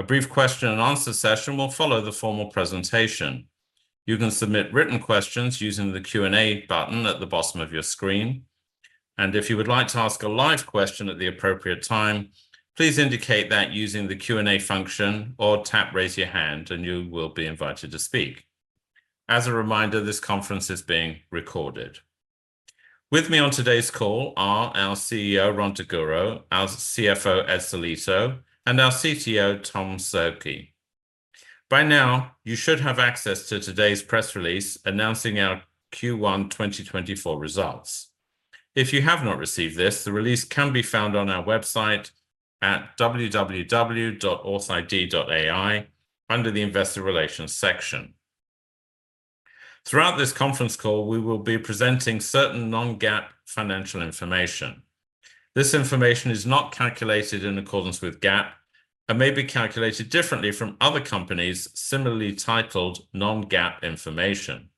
A brief question and answer session will follow the formal presentation. You can submit written questions using the Q&A button at the bottom of your screen, and if you would like to ask a live question at the appropriate time, please indicate that using the Q&A function or tap Raise Your Hand, and you will be invited to speak. As a reminder, this conference is being recorded. With me on today's call are our CEO, Rhon Daguro, our CFO, Ed Sellitto, and our CTO, Tom Szoke. By now, you should have access to today's press release announcing our Q1 2024 results. If you have not received this, the release can be found on our website at www.authid.ai under the Investor Relations section. Throughout this conference call, we will be presenting certain non-GAAP financial information. This information is not calculated in accordance with GAAP and may be calculated differently from other companies similarly titled non-GAAP information.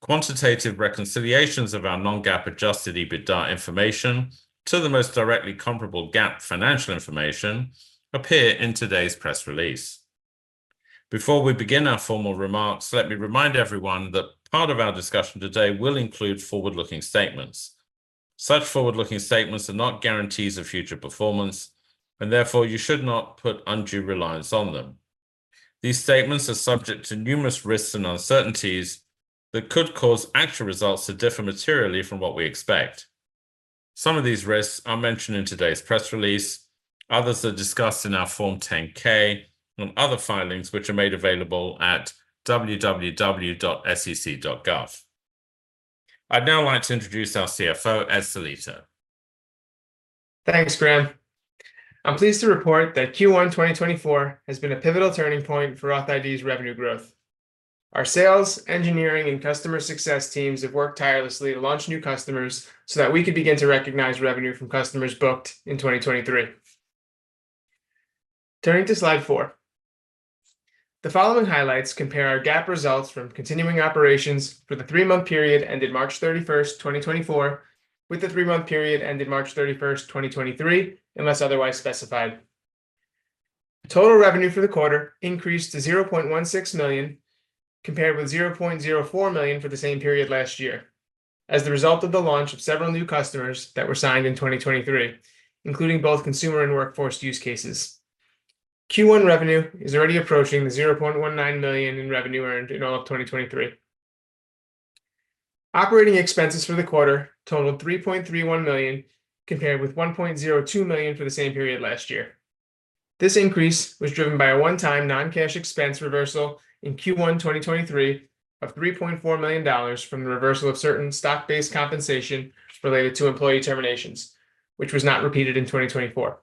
Quantitative reconciliations of our non-GAAP adjusted EBITDA information to the most directly comparable GAAP financial information appear in today's press release. Before we begin our formal remarks, let me remind everyone that part of our discussion today will include forward-looking statements. Such forward-looking statements are not guarantees of future performance, and therefore, you should not put undue reliance on them. These statements are subject to numerous risks and uncertainties that could cause actual results to differ materially from what we expect. Some of these risks are mentioned in today's press release. Others are discussed in our Form 10-K and other filings, which are made available at www.sec.gov. I'd now like to introduce our CFO, Ed Sellitto. Thanks, Graham. I'm pleased to report that Q1 2024 has been a pivotal turning point for authID's revenue growth. Our sales, engineering, and customer success teams have worked tirelessly to launch new customers so that we could begin to recognize revenue from customers booked in 2023. Turning to Slide 4, the following highlights compare our GAAP results from continuing operations for the three-month period ended March 31, 2024, with the three-month period ended March 31, 2023, unless otherwise specified. Total revenue for the quarter increased to $0.16 million, compared with $0.04 million for the same period last year, as the result of the launch of several new customers that were signed in 2023, including both consumer and workforce use cases. Q1 revenue is already approaching the $0.19 million in revenue earned in all of 2023. Operating expenses for the quarter totaled $3.31 million, compared with $1.02 million for the same period last year. This increase was driven by a one-time non-cash expense reversal in Q1 2023 of $3.4 million from the reversal of certain stock-based compensation related to employee terminations, which was not repeated in 2024.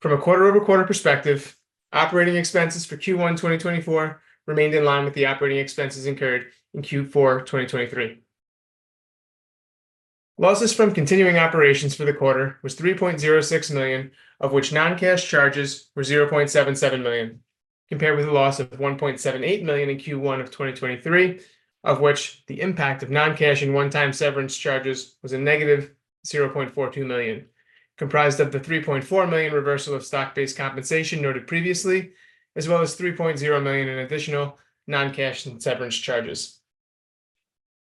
From a quarter-over-quarter perspective, operating expenses for Q1 2024 remained in line with the operating expenses incurred in Q4 2023. Losses from continuing operations for the quarter was $3.06 million, of which non-cash charges were $0.77 million, compared with a loss of $1.78 million in Q1 of 2023, of which the impact of non-cash and one-time severance charges was a negative $0.42 million, comprised of the $3.4 million reversal of stock-based compensation noted previously, as well as $3.0 million in additional non-cash and severance charges.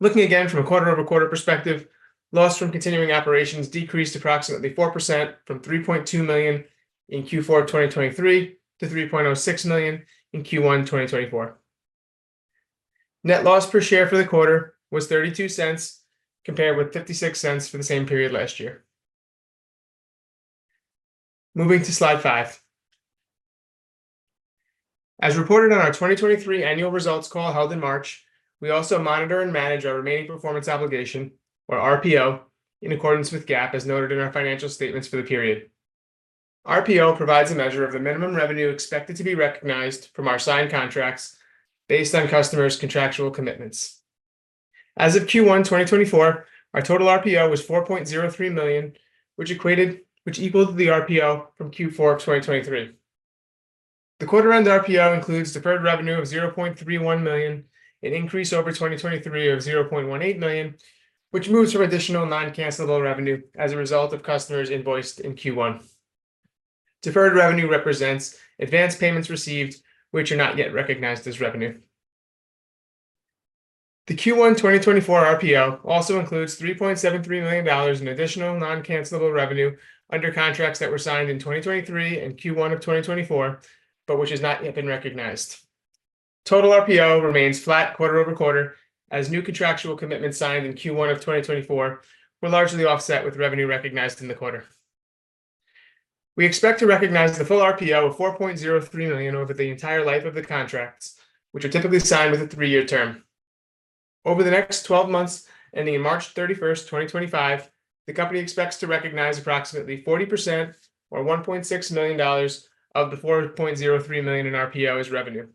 Looking again from a quarter-over-quarter perspective, loss from continuing operations decreased approximately 4% from $3.2 million in Q4 2023 to $3.06 million in Q1 2024. Net loss per share for the quarter was $0.32, compared with $0.56 for the same period last year. Moving to Slide five. As reported on our 2023 annual results call held in March, we also monitor and manage our remaining performance obligation, or RPO, in accordance with GAAP, as noted in our financial statements for the period. RPO provides a measure of the minimum revenue expected to be recognized from our signed contracts based on customers' contractual commitments. As of Q1 2024, our total RPO was $4.03 million, which equaled the RPO from Q4 2023. The quarter-end RPO includes deferred revenue of $0.31 million, an increase over 2023 of $0.18 million, which moves from additional non-cancelable revenue as a result of customers invoiced in Q1. Deferred revenue represents advanced payments received, which are not yet recognized as revenue. The Q1 2024 RPO also includes $3.73 million in additional non-cancelable revenue under contracts that were signed in 2023 and Q1 of 2024, but which has not yet been recognized. Total RPO remains flat quarter-over-quarter, as new contractual commitments signed in Q1 of 2024 were largely offset with revenue recognized in the quarter. We expect to recognize the full RPO of $4.03 million over the entire life of the contracts, which are typically signed with a three-year term. Over the next twelve months, ending March 31, 2025, the company expects to recognize approximately 40% or $1.6 million of the $4.03 million in RPO as revenue,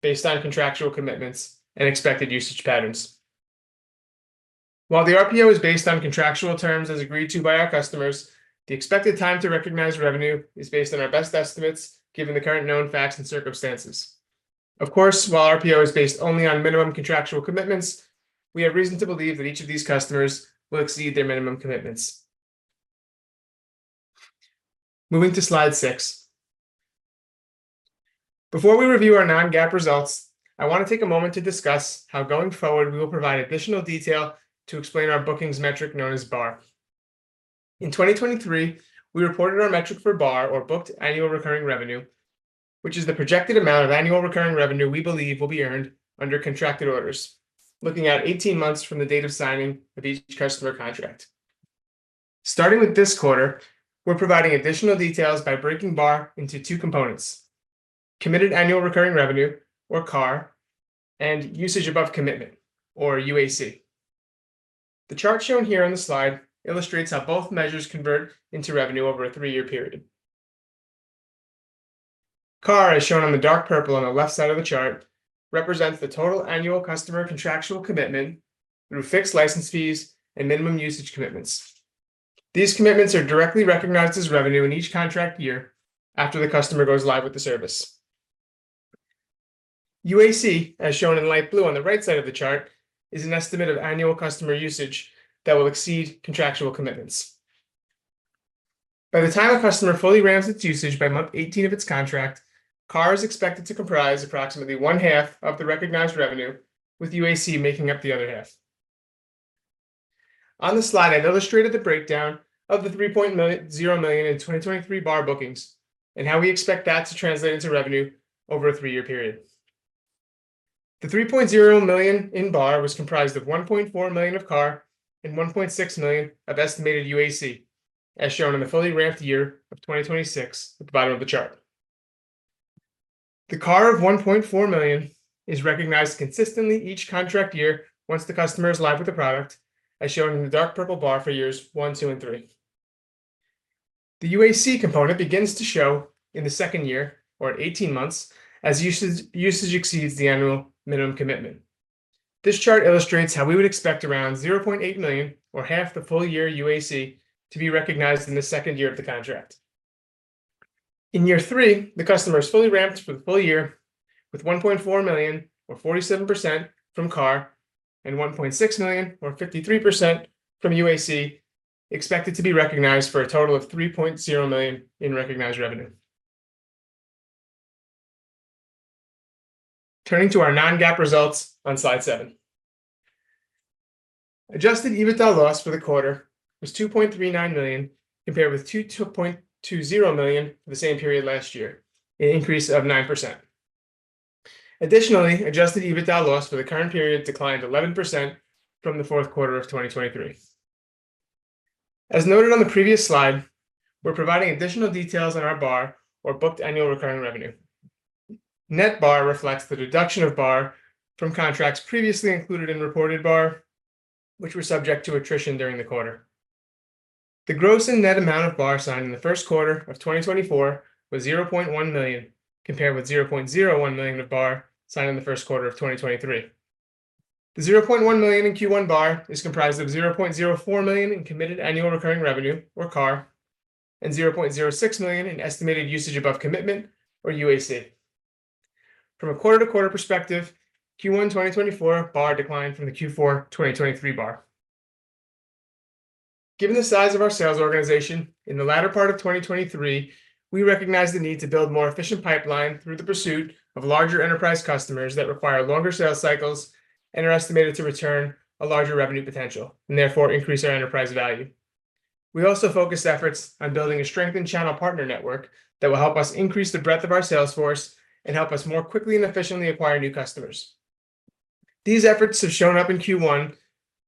based on contractual commitments and expected usage patterns. While the RPO is based on contractual terms as agreed to by our customers, the expected time to recognize revenue is based on our best estimates, given the current known facts and circumstances. Of course, while RPO is based only on minimum contractual commitments, we have reason to believe that each of these customers will exceed their minimum commitments. Moving to slide 6. Before we review our non-GAAP results, I want to take a moment to discuss how, going forward, we will provide additional detail to explain our bookings metric known as bARR. In 2023, we reported our metric for bARR, or booked annual recurring revenue, which is the projected amount of annual recurring revenue we believe will be earned under contracted orders, looking at 18 months from the date of signing of each customer contract. Starting with this quarter, we're providing additional details by breaking bARR into two components: Committed Annual Recurring Revenue, or CAR, and Usage Above Commitment, or UAC. The chart shown here on the slide illustrates how both measures convert into revenue over a three-year period. CAR, as shown on the dark purple on the left side of the chart, represents the total annual customer contractual commitment through fixed license fees and minimum usage commitments. These commitments are directly recognized as revenue in each contract year after the customer goes live with the service. UAC, as shown in light blue on the right side of the chart, is an estimate of annual customer usage that will exceed contractual commitments. By the time a customer fully ramps its usage by month 18 of its contract, CAR is expected to comprise approximately one half of the recognized revenue, with UAC making up the other half. On the slide, I've illustrated the breakdown of the $3.0 million in 2023 BAR bookings and how we expect that to translate into revenue over a three-year period. The $3.0 million in BAR was comprised of $1.4 million of CAR and $1.6 million of estimated UAC, as shown in the fully ramped year of 2026 at the bottom of the chart. The CAR of $1.4 million is recognized consistently each contract year once the customer is live with the product, as shown in the dark purple bar for years one, two, and three. The UAC component begins to show in the second year or at 18 months, as usage exceeds the annual minimum commitment. This chart illustrates how we would expect around $0.8 million, or half the full year UAC, to be recognized in the second year of the contract. In year three, the customer is fully ramped for the full year, with $1.4 million, or 47%, from CAR and $1.6 million, or 53%, from UAC, expected to be recognized for a total of $3.0 million in recognized revenue. Turning to our non-GAAP results on slide 7. Adjusted EBITDA loss for the quarter was $2.39 million, compared with $2.20 million for the same period last year, an increase of 9%. Additionally, adjusted EBITDA loss for the current period declined 11% from the Q1 of 2023. As noted on the previous slide, we're providing additional details on our BAR, or booked annual recurring revenue. Net BAR reflects the deduction of BAR from contracts previously included in reported BAR, which were subject to attrition during the quarter. The gross and net amount of BAR signed in the Q1 of 2024 was $0.1 million, compared with $0.01 million of BAR signed in the Q1 of 2023. The $0.1 million in Q1 BAR is comprised of $0.04 million in Committed Annual Recurring Revenue, or CAR, and $0.06 million in estimated Usage Above Commitment or UAC. From a quarter-to-quarter perspective, Q1 2024 BAR declined from the Q4 2023 BAR. Given the size of our sales organization in the latter part of 2023, we recognized the need to build more efficient pipeline through the pursuit of larger enterprise customers that require longer sales cycles and are estimated to return a larger revenue potential, and therefore increase our enterprise value. We also focused eff orts on building a strengthened channel partner network that will help us increase the breadth of our sales force and help us more quickly and efficiently acquire new customers. These efforts have shown up in Q1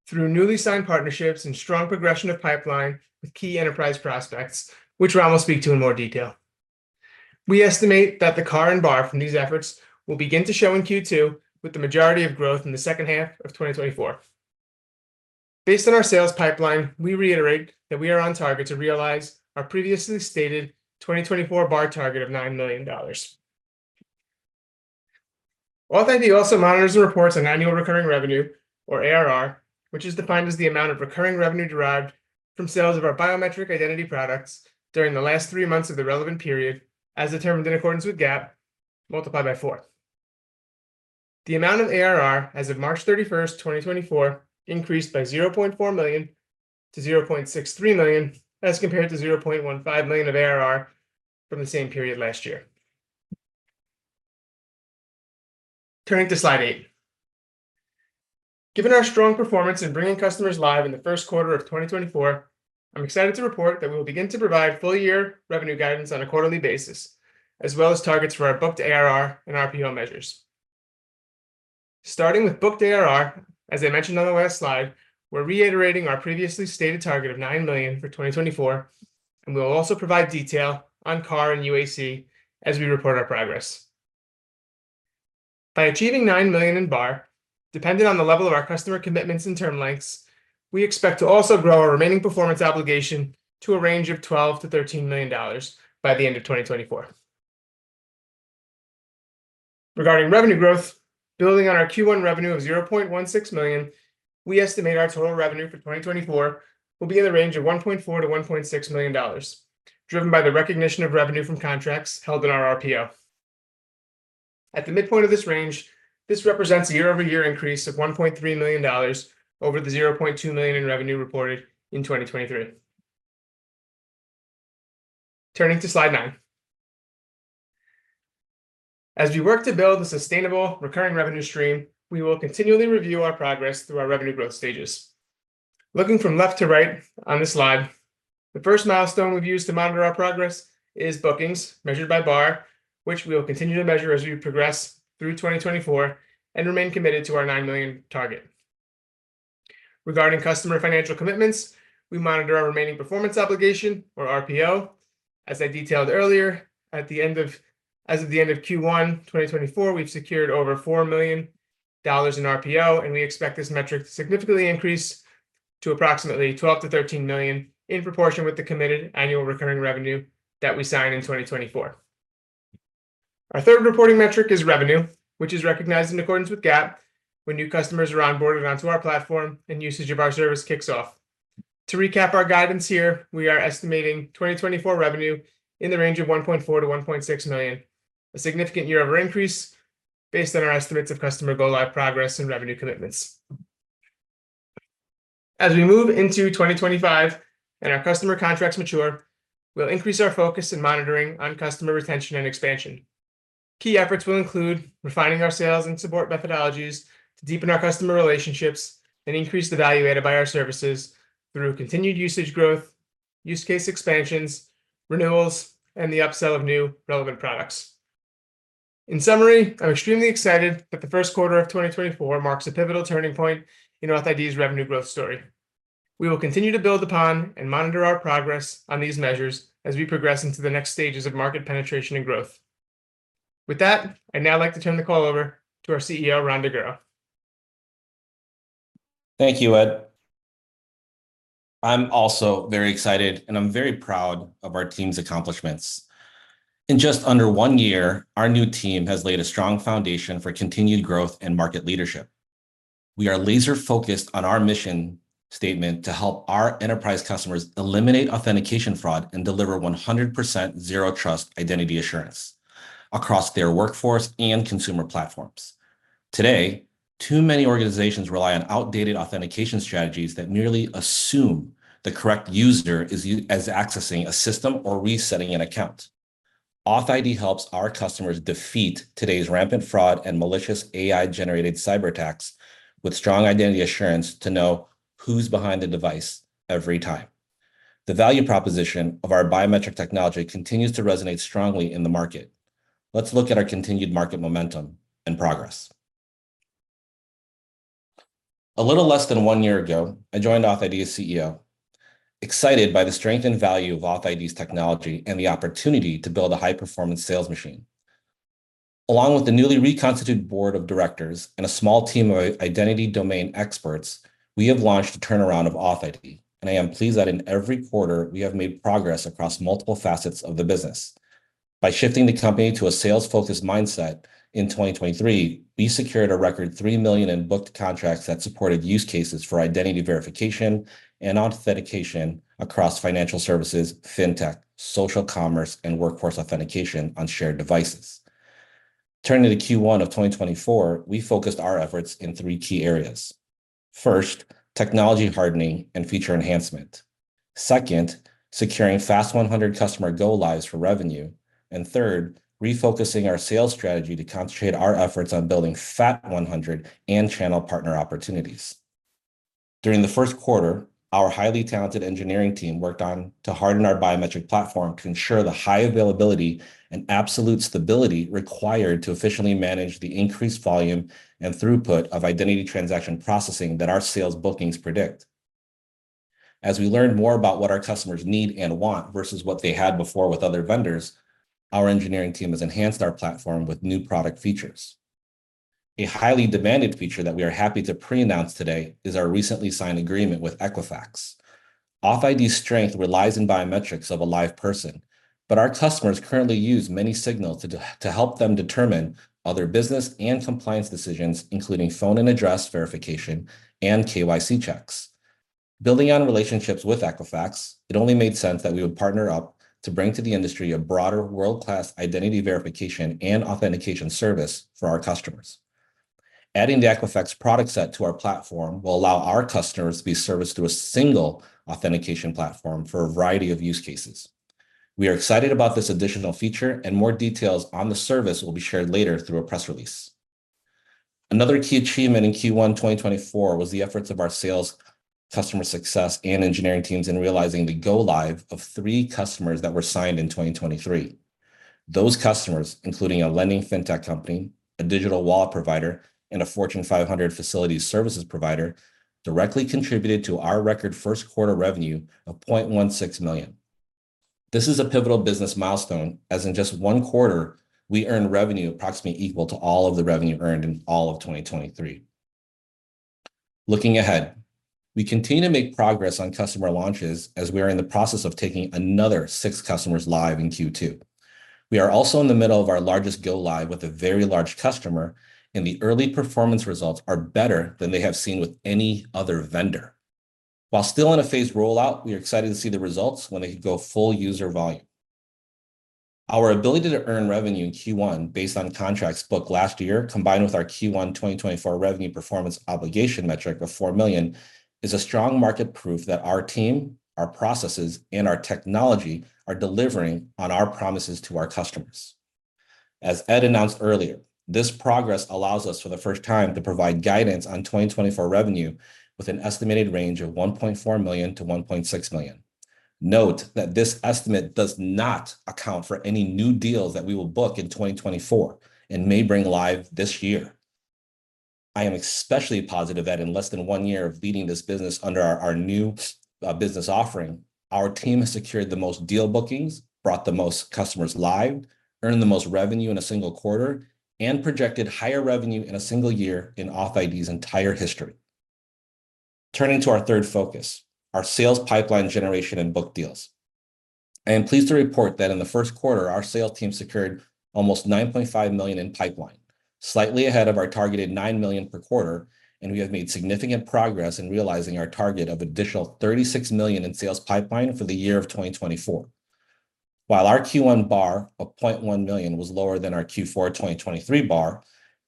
through newly signed partnerships and strong progression of pipeline with key enterprise prospects, which Rhon will speak to in more detail. We estimate that the CAR and BAR from these efforts will begin to show in Q2, with the majority of growth in the second half of 2024. Based on our sales pipeline, we reiterate that we are on target to realize our previously stated 2024 BAR target of $9 million. authID also monitors and reports on annual recurring revenue, or ARR, which is defined as the amount of recurring revenue derived from sales of our biometric identity products during the last 3 months of the relevant period, as determined in accordance with GAAP, multiplied by 4. The amount of ARR as of March 31, 2024, increased by $0.4 million to $0.63 million, as compared to $0.15 million of ARR from the same period last year. Turning to slide 8. Given our strong performance in bringing customers live in the Q1 of 2024, I'm excited to report that we will begin to provide full-year revenue guidance on a quarterly basis, as well as targets for our booked ARR and RPO measures. Starting with booked ARR, as I mentioned on the last slide, we're reiterating our previously stated target of $9 million for 2024, and we will also provide detail on CAR and UAC as we report our progress. By achieving $9 million in BAR, depending on the level of our customer commitments and term lengths, we expect to also grow our remaining performance obligation to a range of $12 million-$13 million by the end of 2024. Regarding revenue growth, building on our Q1 revenue of $0.16 million, we estimate our total revenue for 2024 will be in the range of $1.4-$1.6 million, driven by the recognition of revenue from contracts held in our RPO. At the midpoint of this range, this represents a year-over-year increase of $1.3 million over the $0.2 million in revenue reported in 2023. Turning to Slide 9. As we work to build a sustainable recurring revenue stream, we will continually review our progress through our revenue growth stages. Looking from left to right on this slide, the first milestone we've used to monitor our progress is bookings measured by BAR, which we will continue to measure as we progress through 2024 and remain committed to our $9 million target. Regarding customer financial commitments, we monitor our remaining performance obligation, or RPO. As I detailed earlier, as of the end of Q1 2024, we've secured over $4 million in RPO, and we expect this metric to significantly increase to approximately $12 million-$13 million in proportion with the committed annual recurring revenue that we signed in 2024. Our third reporting metric is revenue, which is recognized in accordance with GAAP when new customers are onboarded onto our platform and usage of our service kicks off. To recap our guidance here, we are estimating 2024 revenue in the range of $1.4 million-$1.6 million, a significant year-over-year increase based on our estimates of customer go-live progress and revenue commitments. As we move into 2025 and our customer contracts mature, we'll increase our focus and monitoring on customer retention and expansion. Key efforts will include refining our sales and support methodologies to deepen our customer relationships and increase the value added by our services through continued usage growth, use case expansions, renewals, and the upsell of new relevant products. In summary, I'm extremely excited that the Q1 of 2024 marks a pivotal turning point in authID's revenue growth story. We will continue to build upon and monitor our progress on these measures as we progress into the next stages of market penetration and growth. With that, I'd now like to turn the call over to our CEO, Rhon Daguro. Thank you, Ed. I'm also very excited, and I'm very proud of our team's accomplishments. In just under one year, our new team has laid a strong foundation for continued growth and market leadership. We are laser-focused on our mission statement to help our enterprise customers eliminate authentication fraud and deliver 100% zero trust identity assurance across their workforce and consumer platforms. Today, too many organizations rely on outdated authentication strategies that merely assume the correct user is using the system or resetting an account. authID helps our customers defeat today's rampant fraud and malicious AI-generated cyberattacks with strong identity assurance to know who's behind the device every time. The value proposition of our biometric technology continues to resonate strongly in the market. Let's look at our continued market momentum and progress. A little less than one year ago, I joined authID as CEO, excited by the strength and value of authID's technology and the opportunity to build a high-performance sales machine. Along with the newly reconstituted board of directors and a small team of identity domain experts, we have launched a turnaround of authID, and I am pleased that in every quarter, we have made progress across multiple facets of the business. By shifting the company to a sales-focused mindset in 2023, we secured a record $3 million in booked contracts that supported use cases for identity verification and authentication across financial services, fintech, social commerce, and workforce authentication on shared devices. Turning to Q1 of 2024, we focused our efforts in three key areas. First, technology hardening and feature enhancement. Second, securing first 100 customer go lives for revenue. Third, refocusing our sales strategy to concentrate our efforts on building Fast 100 and channel partner opportunities. During the Q1, our highly talented engineering team worked on to harden our biometric platform to ensure the high availability and absolute stability required to efficiently manage the increased volume and throughput of identity transaction processing that our sales bookings predict. As we learn more about what our customers need and want versus what they had before with other vendors, our engineering team has enhanced our platform with new product features. A highly demanded feature that we are happy to preannounce today is our recently signed agreement with Equifax. AuthID's strength relies on biometrics of a live person, but our customers currently use many signals to help them determine other business and compliance decisions, including phone and address verification and KYC checks. Building on relationships with Equifax, it only made sense that we would partner up to bring to the industry a broader world-class identity verification and authentication service for our customers. Adding the Equifax product set to our platform will allow our customers to be serviced through a single authentication platform for a variety of use cases. We are excited about this additional feature, and more details on the service will be shared later through a press release. Another key achievement in Q1 2024 was the efforts of our sales, customer success, and engineering teams in realizing the go live of three customers that were signed in 2023. Those customers, including a lending fintech company, a digital wallet provider, and a Fortune 500 facilities services provider, directly contributed to our record Q1 revenue of $0.16 million. This is a pivotal business milestone, as in just one quarter, we earned revenue approximately equal to all of the revenue earned in all of 2023. Looking ahead, we continue to make progress on customer launches as we are in the process of taking another six customers live in Q2. We are also in the middle of our largest go-live with a very large customer, and the early performance results are better than they have seen with any other vendor. While still in a phased rollout, we are excited to see the results when they go full user volume. Our ability to earn revenue in Q1 based on contracts booked last year, combined with our Q1 2024 revenue performance obligation metric of $4 million, is a strong market proof that our team, our processes, and our technology are delivering on our promises to our customers. As Ed announced earlier, this progress allows us, for the first time, to provide guidance on 2024 revenue with an estimated range of $1.4 million-$1.6 million. Note that this estimate does not account for any new deals that we will book in 2024 and may bring live this year. I am especially positive that in less than one year of leading this business under our new business offering, our team has secured the most deal bookings, brought the most customers live, earned the most revenue in a single quarter, and projected higher revenue in a single year in authID's entire history. Turning to our third focus, our sales pipeline generation and book deals. I am pleased to report that in the Q1, our sales team secured almost $9.5 million in pipeline, slightly ahead of our targeted $9 million per quarter, and we have made significant progress in realizing our target of additional $36 million in sales pipeline for the year of 2024. While our Q1 BAR of $0.1 million was lower than our Q4 2023 BAR,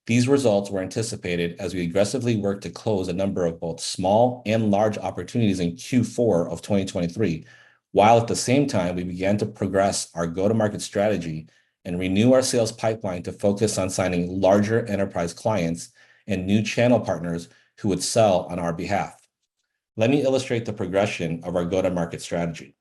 these results were anticipated as we aggressively worked to close a number of both small and large opportunities in Q4 of 2023, while at the same time, we began to progress our go-to-market strategy and renew our sales pipeline to focus on signing larger enterprise clients and new channel partners who would sell on our behalf. Let me illustrate the progression of our go-to-market strategy.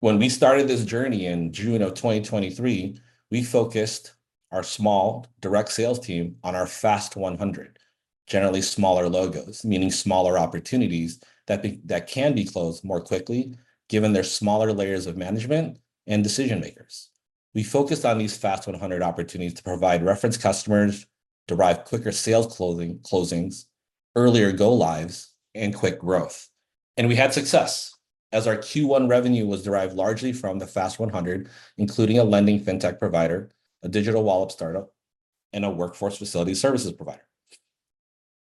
When we started this journey in June 2023, we focused our small direct sales team on our Fast 100, generally smaller logos, meaning smaller opportunities that can be closed more quickly given their smaller layers of management and decision makers. We focused on these Fast 100 opportunities to provide reference customers, derive quicker sales closing, closings, earlier go lives, and quick growth. We had success, as our Q1 revenue was derived largely from the Fast 100, including a lending fintech provider, a digital wallet startup, and a workforce facility services provider.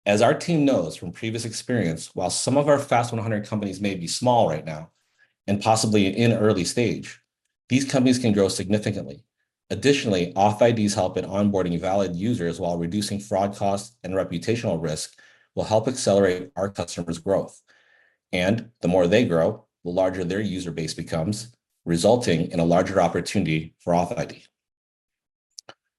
As our team knows from previous experience, while some of our Fast 100 companies may be small right now, and possibly in early stage, these companies can grow significantly. Additionally, authID's help in onboarding valid users while reducing fraud costs and reputational risk will help accelerate our customers' growth. And the more they grow, the larger their user base becomes, resulting in a larger opportunity for authID.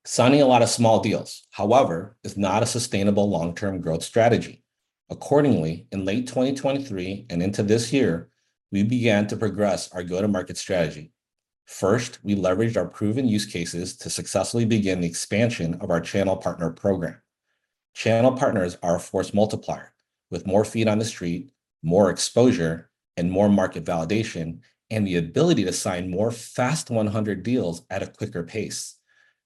Signing a lot of small deals, however, is not a sustainable long-term growth strategy. Accordingly, in late 2023 and into this year, we began to progress our go-to-market strategy. First, we leveraged our proven use cases to successfully begin the expansion of our channel partner program. Channel partners are a force multiplier, with more feet on the street, more exposure, and more market validation, and the ability to sign more fast 100 deals at a quicker pace.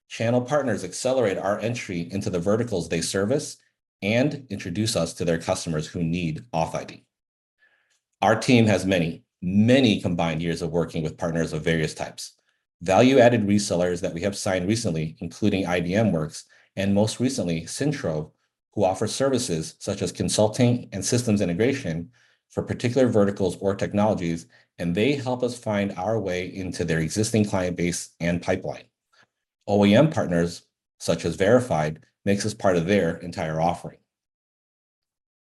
Channel partners accelerate our entry into the verticals they service and introduce us to their customers who need authID. Our team has many, many combined years of working with partners of various types. Value-added resellers that we have signed recently, including IDMWORKS and most recently, Centro, who offer services such as consulting and systems integration for particular verticals or technologies, and they help us find our way into their existing client base and pipeline. OEM partners, such as Verified, makes us part of their entire offering.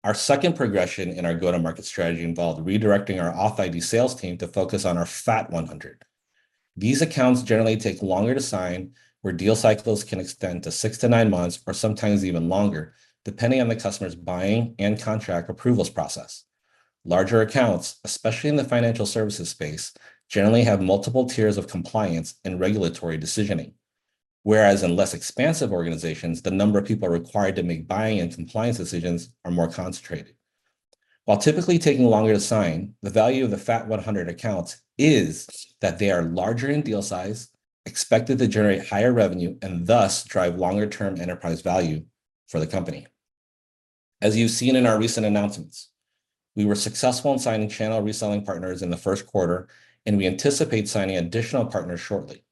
Our second progression in our go-to-market strategy involved redirecting our authID sales team to focus on our Fortune 100. These accounts generally take longer to sign, where deal cycles can extend to 6-9 months or sometimes even longer, depending on the customer's buying and contract approvals process. Larger accounts, especially in the financial services space, generally have multiple tiers of compliance and regulatory decisioning. Whereas in less expansive organizations, the number of people required to make buying and compliance decisions are more concentrated. While typically taking longer to sign, the value of the Fortune 100 accounts is that they are larger in deal size, expected to generate higher revenue, and thus, drive longer-term enterprise value for the company. As you've seen in our recent announcements, we were successful in signing channel reselling partners in the Q1, and we anticipate signing additional partners shortly.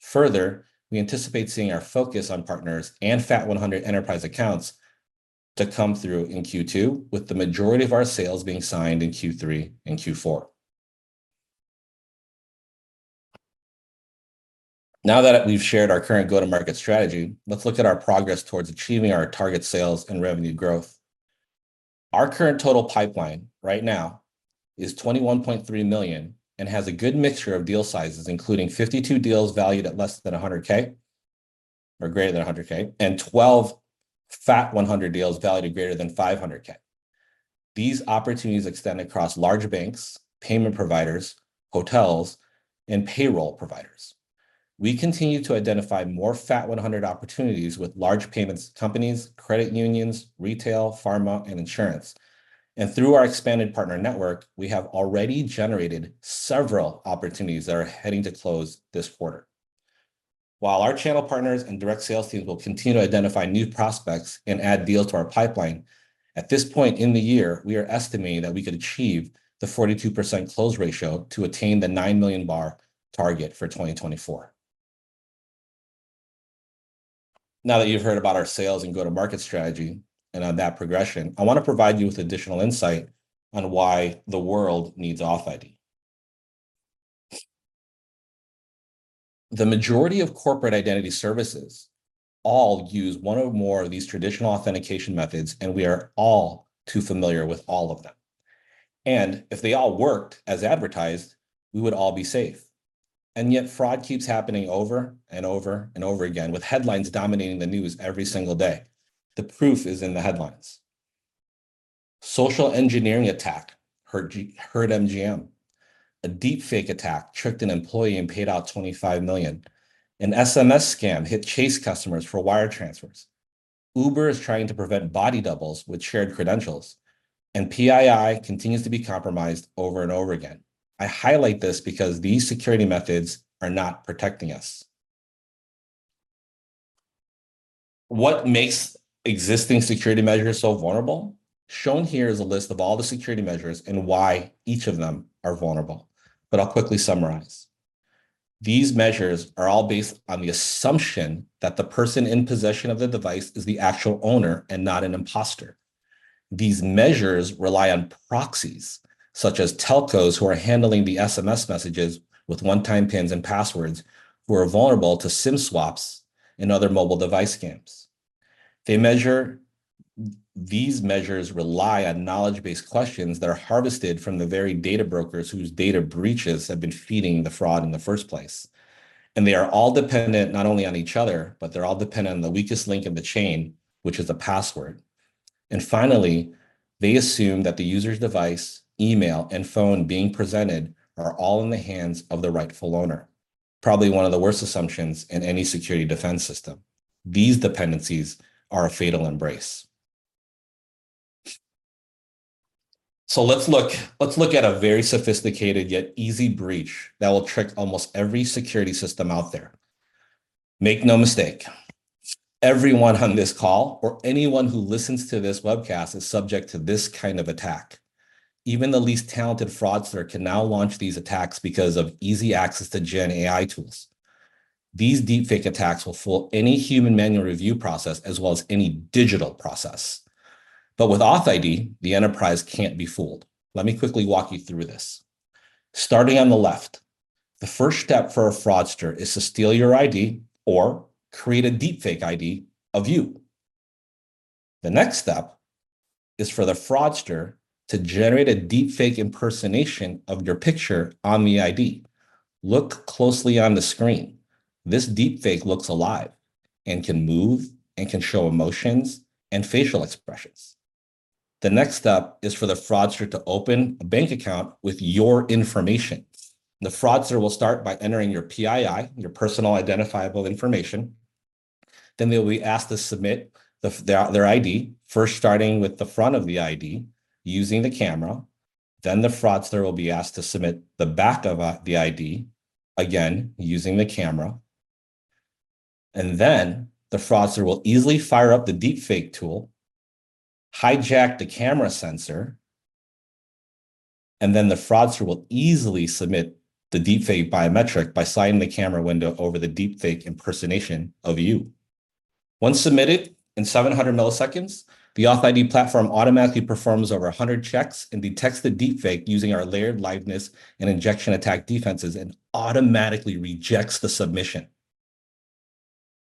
Further, we anticipate seeing our focus on partners and Fortune 100 enterprise accounts to come through in Q2, with the majority of our sales being signed in Q3 and Q4. Now that we've shared our current go-to-market strategy, let's look at our progress towards achieving our target sales and revenue growth. Our current total pipeline right now is $21.3 million and has a good mixture of deal sizes, including 52 deals valued at less than $100K or greater than $100K, and 12 Fortune 100 deals valued at greater than $500K. These opportunities extend across large banks, payment providers, hotels, and payroll providers. We continue to identify more Fortune 100 opportunities with large payments companies, credit unions, retail, pharma, and insurance. And through our expanded partner network, we have already generated several opportunities that are heading to close this quarter. While our channel partners and direct sales teams will continue to identify new prospects and add deals to our pipeline, at this point in the year, we are estimating that we could achieve the 42% close ratio to attain the $9 million BAR target for 2024. Now that you've heard about our sales and go-to-market strategy, and on that progression, I want to provide you with additional insight on why the world needs authID. The majority of corporate identity services all use one or more of these traditional authentication methods, and we are all too familiar with all of them. If they all worked as advertised, we would all be safe, and yet fraud keeps happening over, and over, and over again, with headlines dominating the news every single day. The proof is in the headlines. Social engineering attack hurt MGM. A deepfake attack tricked an employee and paid out $25 million. An SMS scam hit Chase customers for wire transfers. Uber is trying to prevent body doubles with shared credentials, and PII continues to be compromised over and over again. I highlight this because these security methods are not protecting us. What makes existing security measures so vulnerable? Shown here is a list of all the security measures and why each of them are vulnerable, but I'll quickly summarize. These measures are all based on the assumption that the person in possession of the device is the actual owner and not an imposter. These measures rely on proxies, such as telcos, who are handling the SMS messages with one-time pins and passwords, who are vulnerable to SIM swaps and other mobile device scams. These measures rely on knowledge-based questions that are harvested from the very data brokers whose data breaches have been feeding the fraud in the first place. And they are all dependent not only on each other, but they're all dependent on the weakest link in the chain, which is a password. Finally, they assume that the user's device, email, and phone being presented are all in the hands of the rightful owner. Probably one of the worst assumptions in any security defense system. These dependencies are a fatal embrace. So let's look, let's look at a very sophisticated, yet easy breach that will trick almost every security system out there. Make no mistake, everyone on this call or anyone who listens to this webcast is subject to this kind of attack. Even the least talented fraudster can now launch these attacks because of easy access to GenAI tools. These deepfake attacks will fool any human manual review process as well as any digital process. But with authID, the enterprise can't be fooled. Let me quickly walk you through this. Starting on the left, the first step for a fraudster is to steal your ID or create a deepfake ID of you. The next step is for the fraudster to generate a deepfake impersonation of your picture on the ID. Look closely on the screen. This deepfake looks alive and can move and can show emotions and facial expressions. The next step is for the fraudster to open a bank account with your information. The fraudster will start by entering your PII, your Personally Identifiable Information, then they'll be asked to submit their ID, first starting with the front of the ID, using the camera. Then the fraudster will be asked to submit the back of the ID, again, using the camera. Then the fraudster will easily fire up the deepfake tool, hijack the camera sensor, and then the fraudster will easily submit the deepfake biometric by signing the camera window over the deepfake impersonation of you. Once submitted, in 700 milliseconds, the authID platform automatically performs over 100 checks and detects the deepfake using our layered liveness and injection attack defenses, and automatically rejects the submission.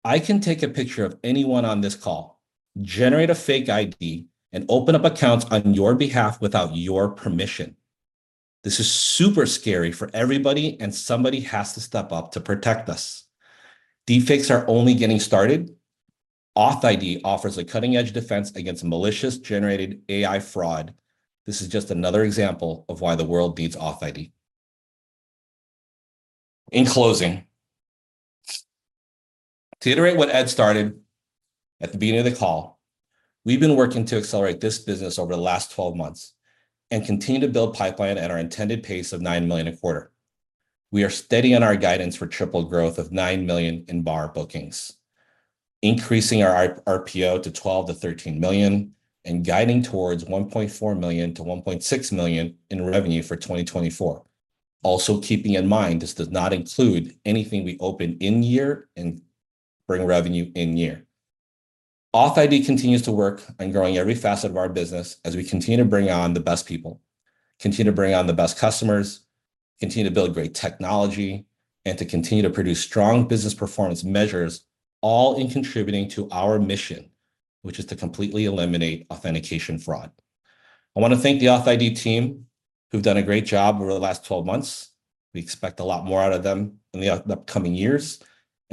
I can take a picture of anyone on this call, generate a fake ID, and open up accounts on your behalf without your permission. This is super scary for everybody, and somebody has to step up to protect us. Deepfakes are only getting started. authID offers a cutting-edge defense against malicious generated AI fraud. This is just another example of why the world needs authID. In closing, to iterate what Ed started at the beginning of the call, we've been working to accelerate this business over the last 12 months and continue to build pipeline at our intended pace of $9 million a quarter. We are steady in our guidance for triple growth of $9 million in BAR bookings, increasing our RPO to $12 million-$13 million, and guiding towards $1.4 million-$1.6 million in revenue for 2024. Also, keeping in mind, this does not include anything we open in year and bring revenue in year. authID continues to work on growing every facet of our business as we continue to bring on the best people, continue to bring on the best customers, continue to build great technology, and to continue to produce strong business performance measures, all in contributing to our mission, which is to completely eliminate authentication fraud. I want to thank the authID team, who've done a great job over the last 12 months. We expect a lot more out of them in the upcoming years.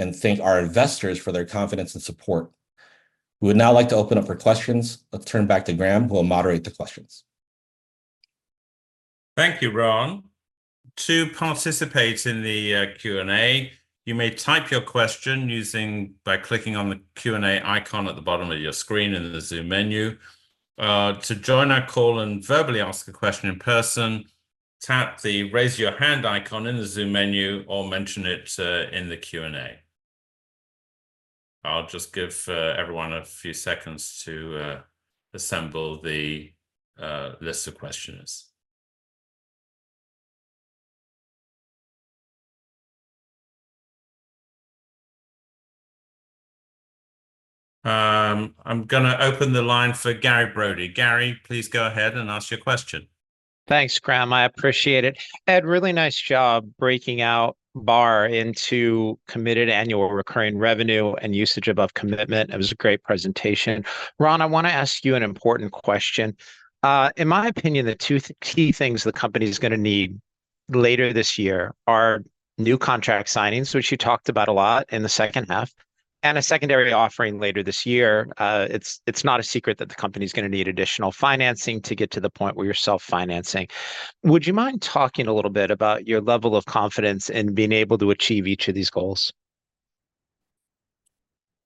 Thank our investors for their confidence and support. We would now like to open up for questions. Let's turn back to Graham, who will moderate the questions. Thank you, Ron. To participate in the Q&A, you may type your question by clicking on the Q&A icon at the bottom of your screen in the Zoom menu. To join our call and verbally ask a question in person, tap the Raise Your Hand icon in the Zoom menu or mention it in the Q&A. I'll just give everyone a few seconds to assemble the list of questions. I'm gonna open the line for Gary Brody. Gary, please go ahead and ask your question. Thanks, Graham, I appreciate it. Ed, really nice job breaking out BAR into committed annual recurring revenue and usage above commitment. It was a great presentation. Rhon, I wanna ask you an important question. In my opinion, the two key things the company's gonna need later this year are new contract signings, which you talked about a lot in the second half, and a secondary offering later this year. It's not a secret that the company's gonna need additional financing to get to the point where you're self-financing. Would you mind talking a little bit about your level of confidence in being able to achieve each of these goals?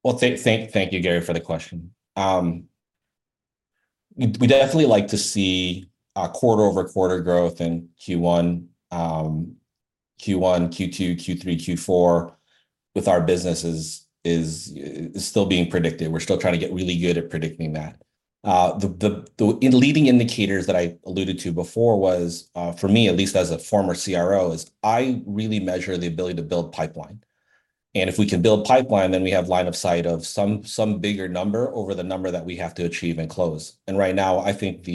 Well, thank you, Gary, for the question. We'd definitely like to see quarter-over-quarter growth in Q1, Q2, Q3, Q4 with our businesses is still being predicted. We're still trying to get really good at predicting that. The leading indicators that I alluded to before was, for me, at least as a former CRO, is I really measure the ability to build pipeline. And if we can build pipeline, then we have line of sight of some bigger number over the number that we have to achieve and close. And right now, I think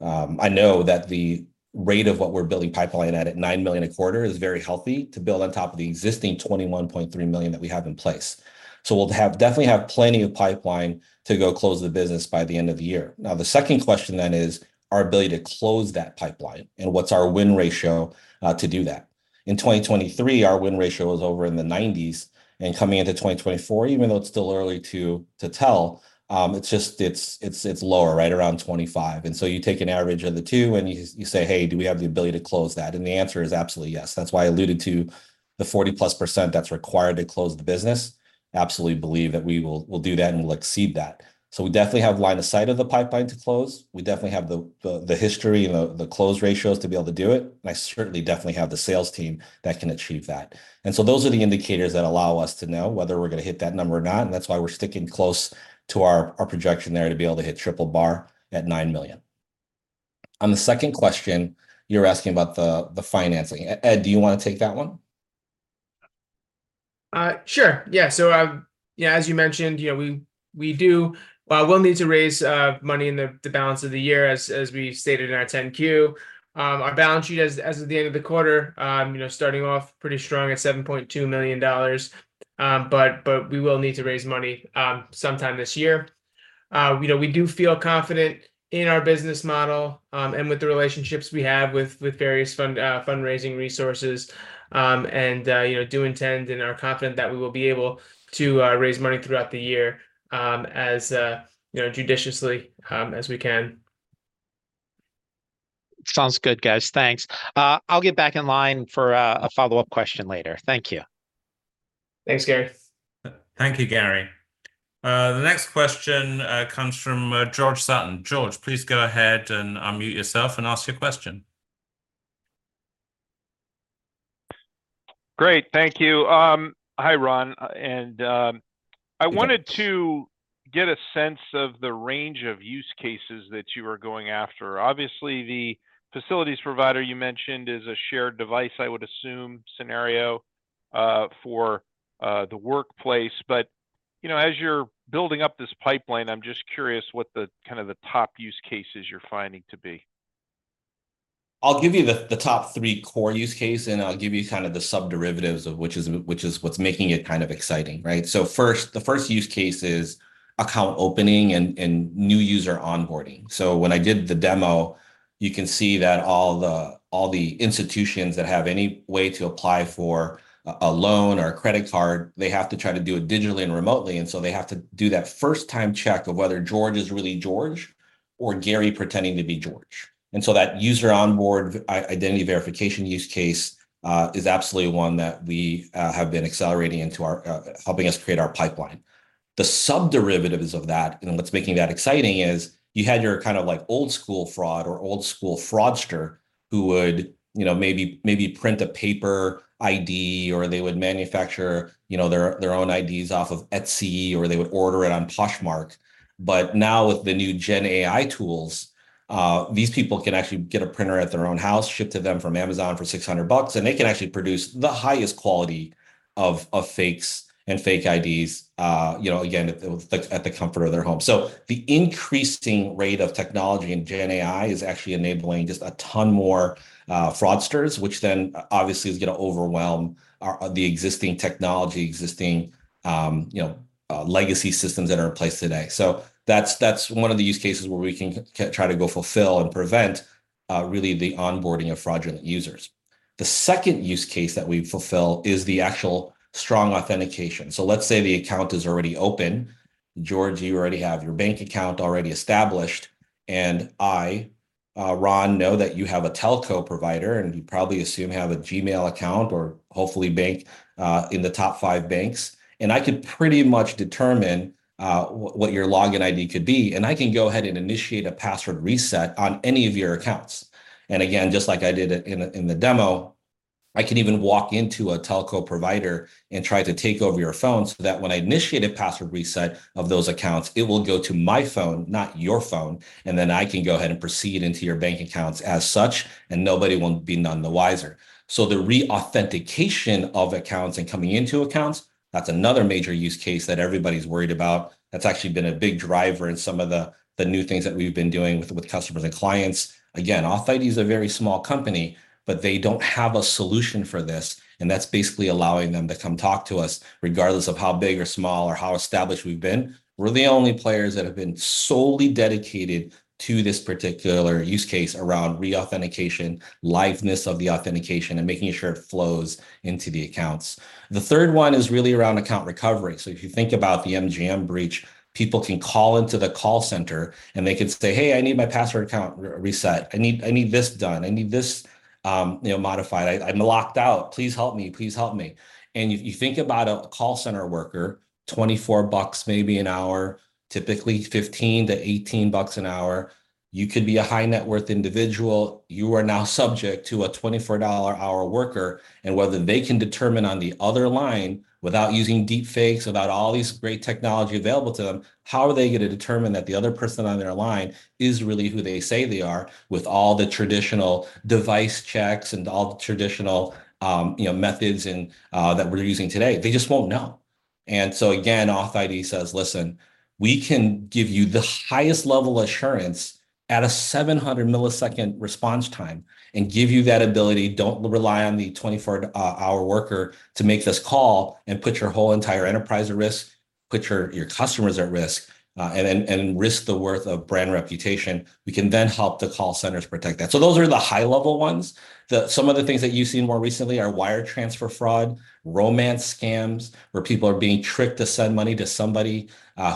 I know that the rate of what we're building pipeline at $9 million a quarter is very healthy to build on top of the existing $21.3 million that we have in place. So we'll definitely have plenty of pipeline to go close the business by the end of the year. Now, the second question then is our ability to close that pipeline, and what's our win ratio to do that? In 2023, our win ratio was over in the 90s, and coming into 2024, even though it's still early to tell, it's just lower, right around 25. And so you take an average of the two, and you say, "Hey, do we have the ability to close that?" And the answer is absolutely yes. That's why I alluded to the 40+% that's required to close the business. Absolutely believe that we'll do that and we'll exceed that. So we definitely have line of sight of the pipeline to close. We definitely have the history and the close ratios to be able to do it, and I certainly definitely have the sales team that can achieve that. And so those are the indicators that allow us to know whether we're gonna hit that number or not, and that's why we're sticking close to our projection there to be able to hit triple BAR at $9 million. On the second question, you're asking about the financing. Ed, do you wanna take that one? Sure. Yeah, so, yeah, as you mentioned, you know, we do... Well, we'll need to raise money in the balance of the year as we stated in our 10-Q. Our balance sheet as of the end of the quarter, you know, starting off pretty strong at $7.2 million. But we will need to raise money sometime this year. You know, we do feel confident in our business model, and with the relationships we have with various fundraising resources, and, you know, do intend and are confident that we will be able to raise money throughout the year, as, you know, judiciously, as we can. Sounds good, guys. Thanks. I'll get back in line for a follow-up question later. Thank you. Thanks, Gary. Thank you, Gary. The next question comes from George Sutton. George, please go ahead and unmute yourself and ask your question. Great. Thank you. Hi, Rhon, and- Hey, George... I wanted to get a sense of the range of use cases that you are going after. Obviously, the facilities provider you mentioned is a shared device, I would assume, scenario for the workplace. But, you know, as you're building up this pipeline, I'm just curious what the kind of the top use cases you're finding to be. I'll give you the top three core use case, and I'll give you kind of the sub-derivatives of which is what's making it kind of exciting, right? So first, the first use case is account opening and new user onboarding. So when I did the demo, you can see that all the institutions that have any way to apply for a loan or a credit card, they have to try to do it digitally and remotely, and so they have to do that first time check of whether George is really George or Gary pretending to be George. And so that user onboarding identity verification use case is absolutely one that we have been accelerating into our helping us create our pipeline. The sub-derivatives of that, and what's making that exciting, is you had your kind of like old school fraud or old school fraudster, who would, you know, maybe, maybe print a paper ID, or they would manufacture, you know, their, their own IDs off of Etsy, or they would order it on Poshmark. But now with the new Gen AI tools, these people can actually get a printer at their own house, shipped to them from Amazon for $600, and they can actually produce the highest quality of fakes and fake IDs, you know, again, at the comfort of their home. So the increasing rate of technology in Gen AI is actually enabling just a ton more fraudsters, which then obviously is gonna overwhelm the existing technology, existing, you know, legacy systems that are in place today. So that's, that's one of the use cases where we can try to go fulfill and prevent really the onboarding of fraudulent users. The second use case that we fulfill is the actual strong authentication. So let's say the account is already open. George, you already have your bank account already established, and I, Ron, know that you have a telco provider, and we probably assume you have a Gmail account or hopefully bank in the top five banks. And I could pretty much determine what your login ID could be, and I can go ahead and initiate a password reset on any of your accounts. And again, just like I did it in the, in the demo-... I can even walk into a telco provider and try to take over your phone so that when I initiate a password reset of those accounts, it will go to my phone, not your phone, and then I can go ahead and proceed into your bank accounts as such, and nobody won't be none the wiser. So the re-authentication of accounts and coming into accounts, that's another major use case that everybody's worried about. That's actually been a big driver in some of the new things that we've been doing with customers and clients. Again, authID is a very small company, but they don't have a solution for this, and that's basically allowing them to come talk to us, regardless of how big or small or how established we've been. We're the only players that have been solely dedicated to this particular use case around re-authentication, liveness of the authentication, and making sure it flows into the accounts. The third one is really around account recovery. So if you think about the MGM breach, people can call into the call center and they can say, "Hey, I need my password account re-reset. I need, I need this done. I need this, you know, modified. I'm locked out. Please help me. Please help me." And if you think about a call center worker, $24 maybe an hour, typically $15-$18 an hour, you could be a high-net-worth individual, you are now subject to a $24-an-hour worker, and whether they can determine on the other line, without using deepfakes, without all this great technology available to them, how are they going to determine that the other person on their line is really who they say they are with all the traditional device checks and all the traditional, you know, methods and that we're using today? They just won't know. And so again, authID says, "Listen, we can give you the highest level assurance at a 700-millisecond response time, and give you that ability. Don't rely on the 24-hour worker to make this call and put your whole entire enterprise at risk, put your customers at risk, and risk the worth of brand reputation. We can then help the call centers protect that." So those are the high-level ones. Some of the things that you've seen more recently are wire transfer fraud, romance scams, where people are being tricked to send money to somebody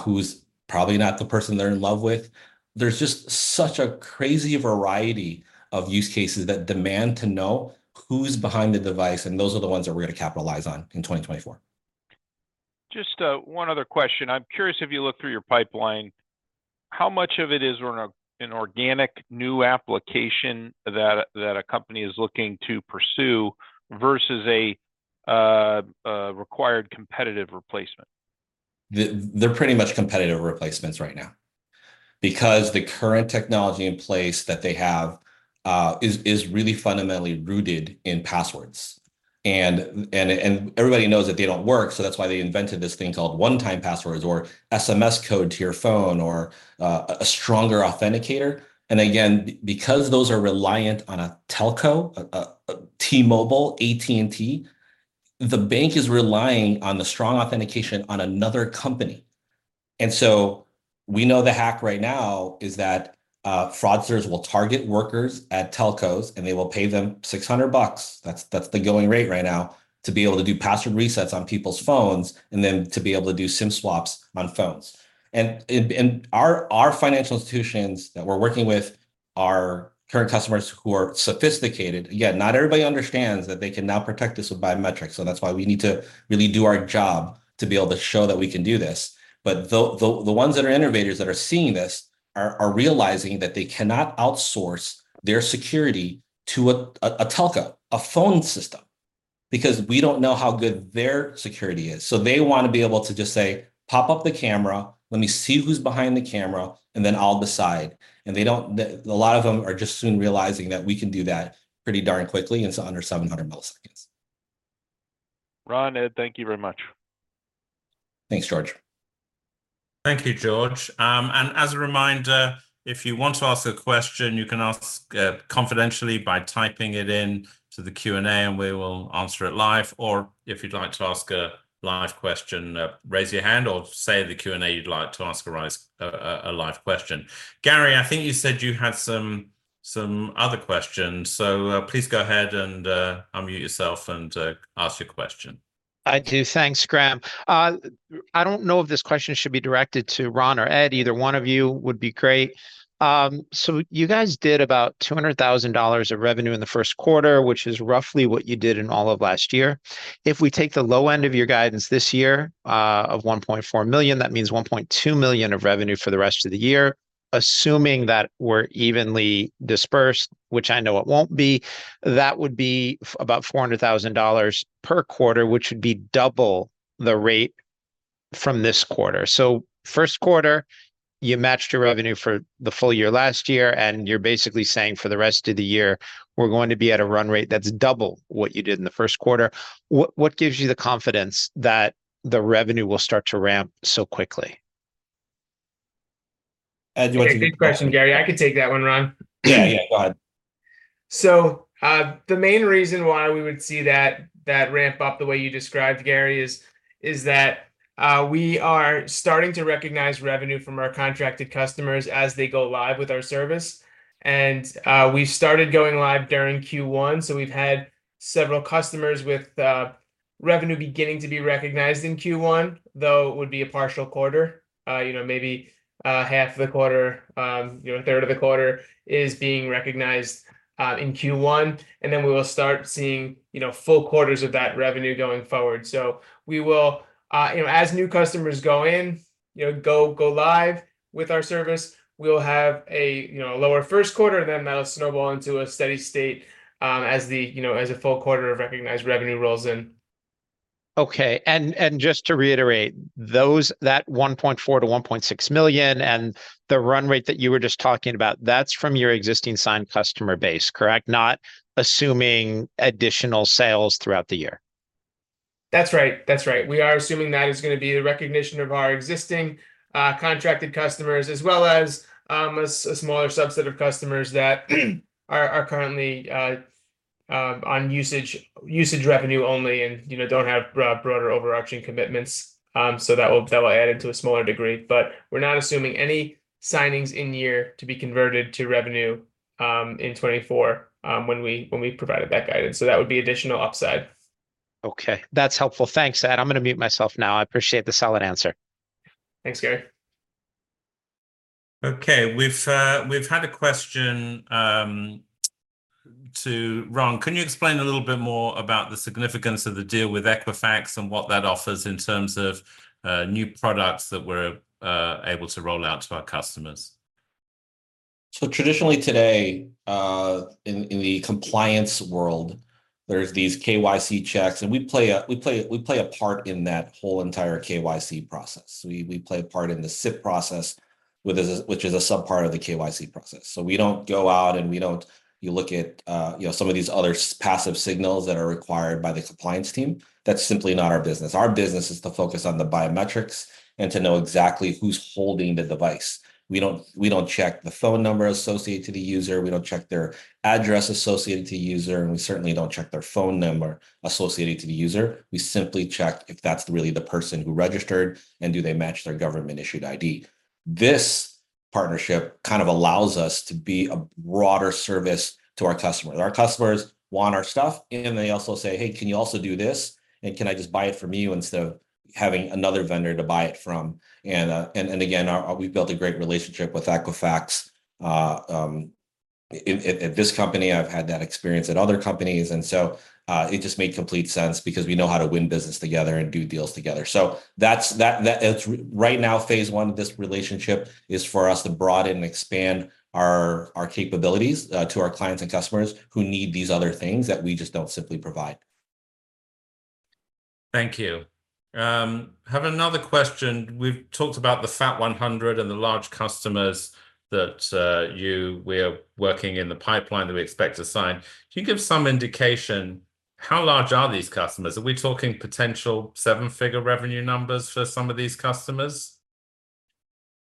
who's probably not the person they're in love with. There's just such a crazy variety of use cases that demand to know who's behind the device, and those are the ones that we're going to capitalize on in 2024. Just one other question. I'm curious if you look through your pipeline, how much of it is an organic new application that a company is looking to pursue versus a required competitive replacement? They're pretty much competitive replacements right now, because the current technology in place that they have is really fundamentally rooted in passwords. And everybody knows that they don't work, so that's why they invented this thing called one-time passwords or SMS code to your phone or a stronger authenticator. And again, because those are reliant on a telco, T-Mobile, AT&T, the bank is relying on the strong authentication on another company. And so we know the hack right now is that fraudsters will target workers at telcos, and they will pay them $600 bucks, that's the going rate right now, to be able to do password resets on people's phones and then to be able to do SIM swaps on phones. Our financial institutions that we're working with, our current customers who are sophisticated, again, not everybody understands that they can now protect this with biometrics, so that's why we need to really do our job to be able to show that we can do this. But the ones that are innovators that are seeing this are realizing that they cannot outsource their security to a telco, a phone system, because we don't know how good their security is. So they want to be able to just say, "Pop up the camera, let me see who's behind the camera, and then I'll decide." And they don't. A lot of them are just soon realizing that we can do that pretty darn quickly, and it's under 700 milliseconds. Rhon, Ed, thank you very much. Thanks, George. Thank you, George. And as a reminder, if you want to ask a question, you can ask confidentially by typing it in to the Q&A, and we will answer it live. Or if you'd like to ask a live question, raise your hand or say in the Q&A you'd like to ask a live question. Gary, I think you said you had some other questions, so please go ahead and unmute yourself and ask your question. I do. Thanks, Graham. I don't know if this question should be directed to Rhon or Ed. Either one of you would be great. So you guys did about $200,000 of revenue in the Q1, which is roughly what you did in all of last year. If we take the low end of your guidance this year, of $1.4 million, that means $1.2 million of revenue for the rest of the year. Assuming that we're evenly dispersed, which I know it won't be, that would be about $400,000 per quarter, which would be double the rate from this quarter. So Q1, you matched your revenue for the full year last year, and you're basically saying for the rest of the year, we're going to be at a run rate that's double what you did in the Q1. What, what gives you the confidence that the revenue will start to ramp so quickly? Ed, do you want to take that one? Good question, Gary. I can take that one, Rhon. Yeah, yeah. Go ahead. So, the main reason why we would see that ramp up the way you described, Gary, is that we are starting to recognize revenue from our contracted customers as they go live with our service. And, we started going live during Q1, so we've had several customers with revenue beginning to be recognized in Q1, though it would be a partial quarter. You know, maybe half the quarter, you know, a third of the quarter is being recognized in Q1, and then we will start seeing, you know, full quarters of that revenue going forward. So we will, you know, as new customers go in, you know, go live with our service, we'll have a, you know, a lower Q1, then that'll snowball into a steady state, as the, you know, as a full quarter of recognized revenue rolls in. ... Okay, and just to reiterate, those, that $1.4 million-$1.6 million, and the run rate that you were just talking about, that's from your existing signed customer base, correct? Not assuming additional sales throughout the year. That's right. That's right. We are assuming that is gonna be the recognition of our existing, contracted customers, as well as, a smaller subset of customers that are, currently, on usage revenue only, and, you know, don't have broader overarching commitments. So that will, that will add in to a smaller degree. But we're not assuming any signings in year to be converted to revenue, in 2024, when we, when we provided that guidance, so that would be additional upside. Okay, that's helpful. Thanks, Ed. I'm gonna mute myself now. I appreciate the solid answer. Thanks, Gary. Okay. We've had a question to Rhon. Can you explain a little bit more about the significance of the deal with Equifax and what that offers in terms of new products that we're able to roll out to our customers? So traditionally today, in the compliance world, there's these KYC checks, and we play a part in that whole entire KYC process. We play a part in the CIP process, which is a sub-part of the KYC process. So we don't go out and you look at, you know, some of these other passive signals that are required by the compliance team, that's simply not our business. Our business is to focus on the biometrics and to know exactly who's holding the device. We don't check the phone number associated to the user, we don't check their address associated to the user, and we certainly don't check their phone number associated to the user. We simply check if that's really the person who registered, and do they match their government-issued ID? This partnership kind of allows us to be a broader service to our customers, and our customers want our stuff, and they also say, "Hey, can you also do this? And can I just buy it from you instead of having another vendor to buy it from?" And, and again, we've built a great relationship with Equifax. At this company, I've had that experience at other companies, and so, it just made complete sense because we know how to win business together and do deals together. So that's right now, phase one of this relationship is for us to broaden and expand our capabilities to our clients and customers who need these other things that we just don't simply provide. Thank you. Have another question. We've talked about the Fat 100 and the large customers that we're working in the pipeline that we expect to sign. Can you give some indication, how large are these customers? Are we talking potential seven-figure revenue numbers for some of these customers?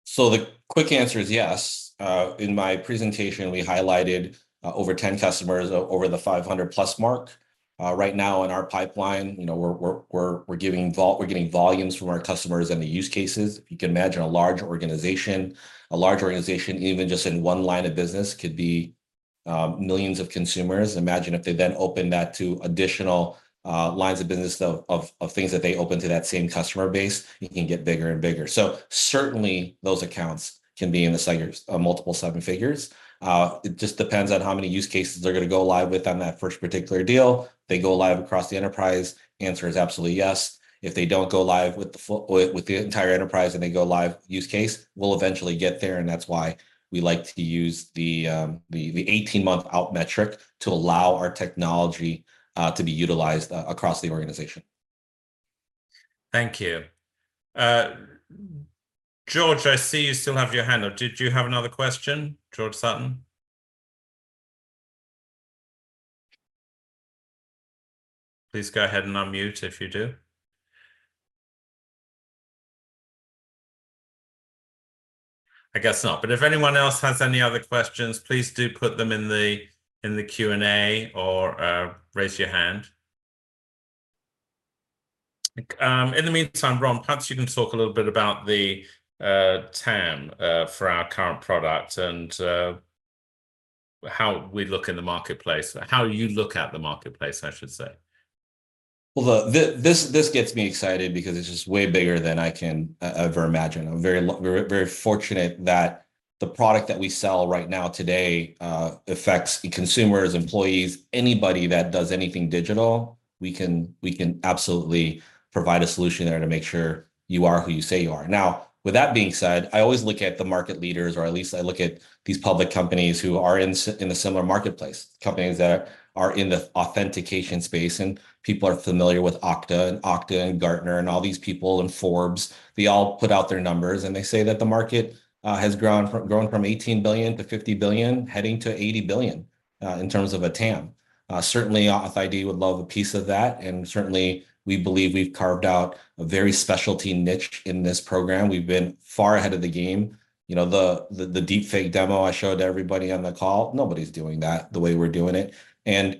So the quick answer is yes. In my presentation, we highlighted over 10 customers over the 500+ mark. Right now in our pipeline, you know, we're getting volumes from our customers and the use cases. If you can imagine a large organization, even just in one line of business, could be millions of consumers. Imagine if they then open that to additional lines of business of things that they open to that same customer base, it can get bigger and bigger. So certainly, those accounts can be in the figures of multiple seven figures. It just depends on how many use cases they're gonna go live with on that first particular deal. They go live across the enterprise, answer is absolutely yes. If they don't go live with the entire enterprise and they go live use case, we'll eventually get there, and that's why we like to use the 18-month out metric to allow our technology to be utilized across the organization. Thank you. George, I see you still have your hand up. Did you have another question, George Sutton? Please go ahead and unmute if you do. I guess not, but if anyone else has any other questions, please do put them in the, in the Q&A or, raise your hand. In the meantime, Ron, perhaps you can talk a little bit about the, TAM, for our current product, and, how we look in the marketplace. How you look at the marketplace, I should say. Well, this gets me excited because it's just way bigger than I can ever imagine. I'm very we're very fortunate that the product that we sell right now today affects consumers, employees. Anybody that does anything digital, we can, we can absolutely provide a solution there to make sure you are who you say you are. Now, with that being said, I always look at the market leaders, or at least I look at these public companies who are in in a similar marketplace, companies that are in the authentication space, and people are familiar with Okta, and Okta, and Gartner, and all these people, and Forbes. They all put out their numbers, and they say that the market has grown from, grown from $18 billion to $50 billion, heading to $80 billion in terms of a TAM. Certainly, authID would love a piece of that, and certainly, we believe we've carved out a very specialty niche in this program. We've been far ahead of the game. You know, the deep fake demo I showed everybody on the call, nobody's doing that the way we're doing it. And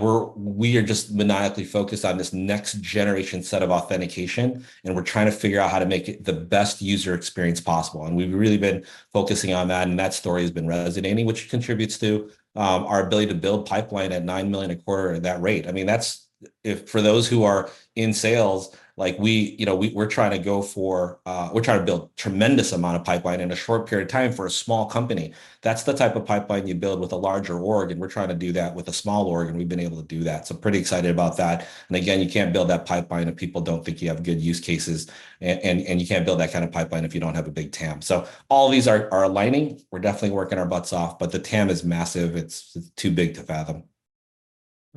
we're just maniacally focused on this next generation set of authentication, and we're trying to figure out how to make it the best user experience possible, and we've really been focusing on that, and that story has been resonating, which contributes to our ability to build pipeline at $9 million a quarter at that rate. I mean, that's... If, for those who are in sales, like, you know, we're trying to build a tremendous amount of pipeline in a short period of time for a small company. That's the type of pipeline you build with a larger org, and we're trying to do that with a small org, and we've been able to do that, so pretty excited about that. And again, you can't build that pipeline if people don't think you have good use cases, and you can't build that kind of pipeline if you don't have a big TAM. So all these are aligning. We're definitely working our butts off, but the TAM is massive. It's too big to fathom....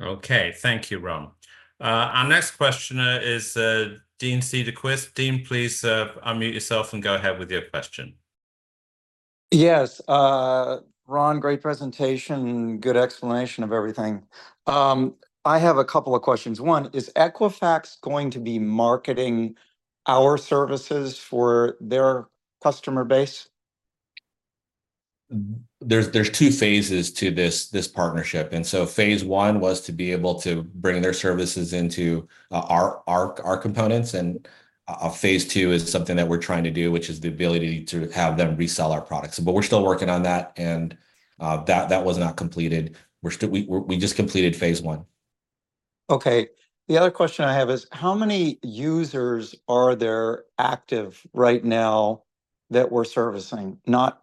Okay, thank you, Rhon. Our next questioner is Dean Cederquist. Dean, please, unmute yourself and go ahead with your question. Yes. Rhon, great presentation, good explanation of everything. I have a couple of questions. One, is Equifax going to be marketing our services for their customer base? There's two phases to this partnership, and so phase one was to be able to bring their services into our components. Phase two is something that we're trying to do, which is the ability to have them resell our products, but we're still working on that, and that was not completed. We just completed phase one. Okay. The other question I have is: how many users are there active right now that we're servicing? Not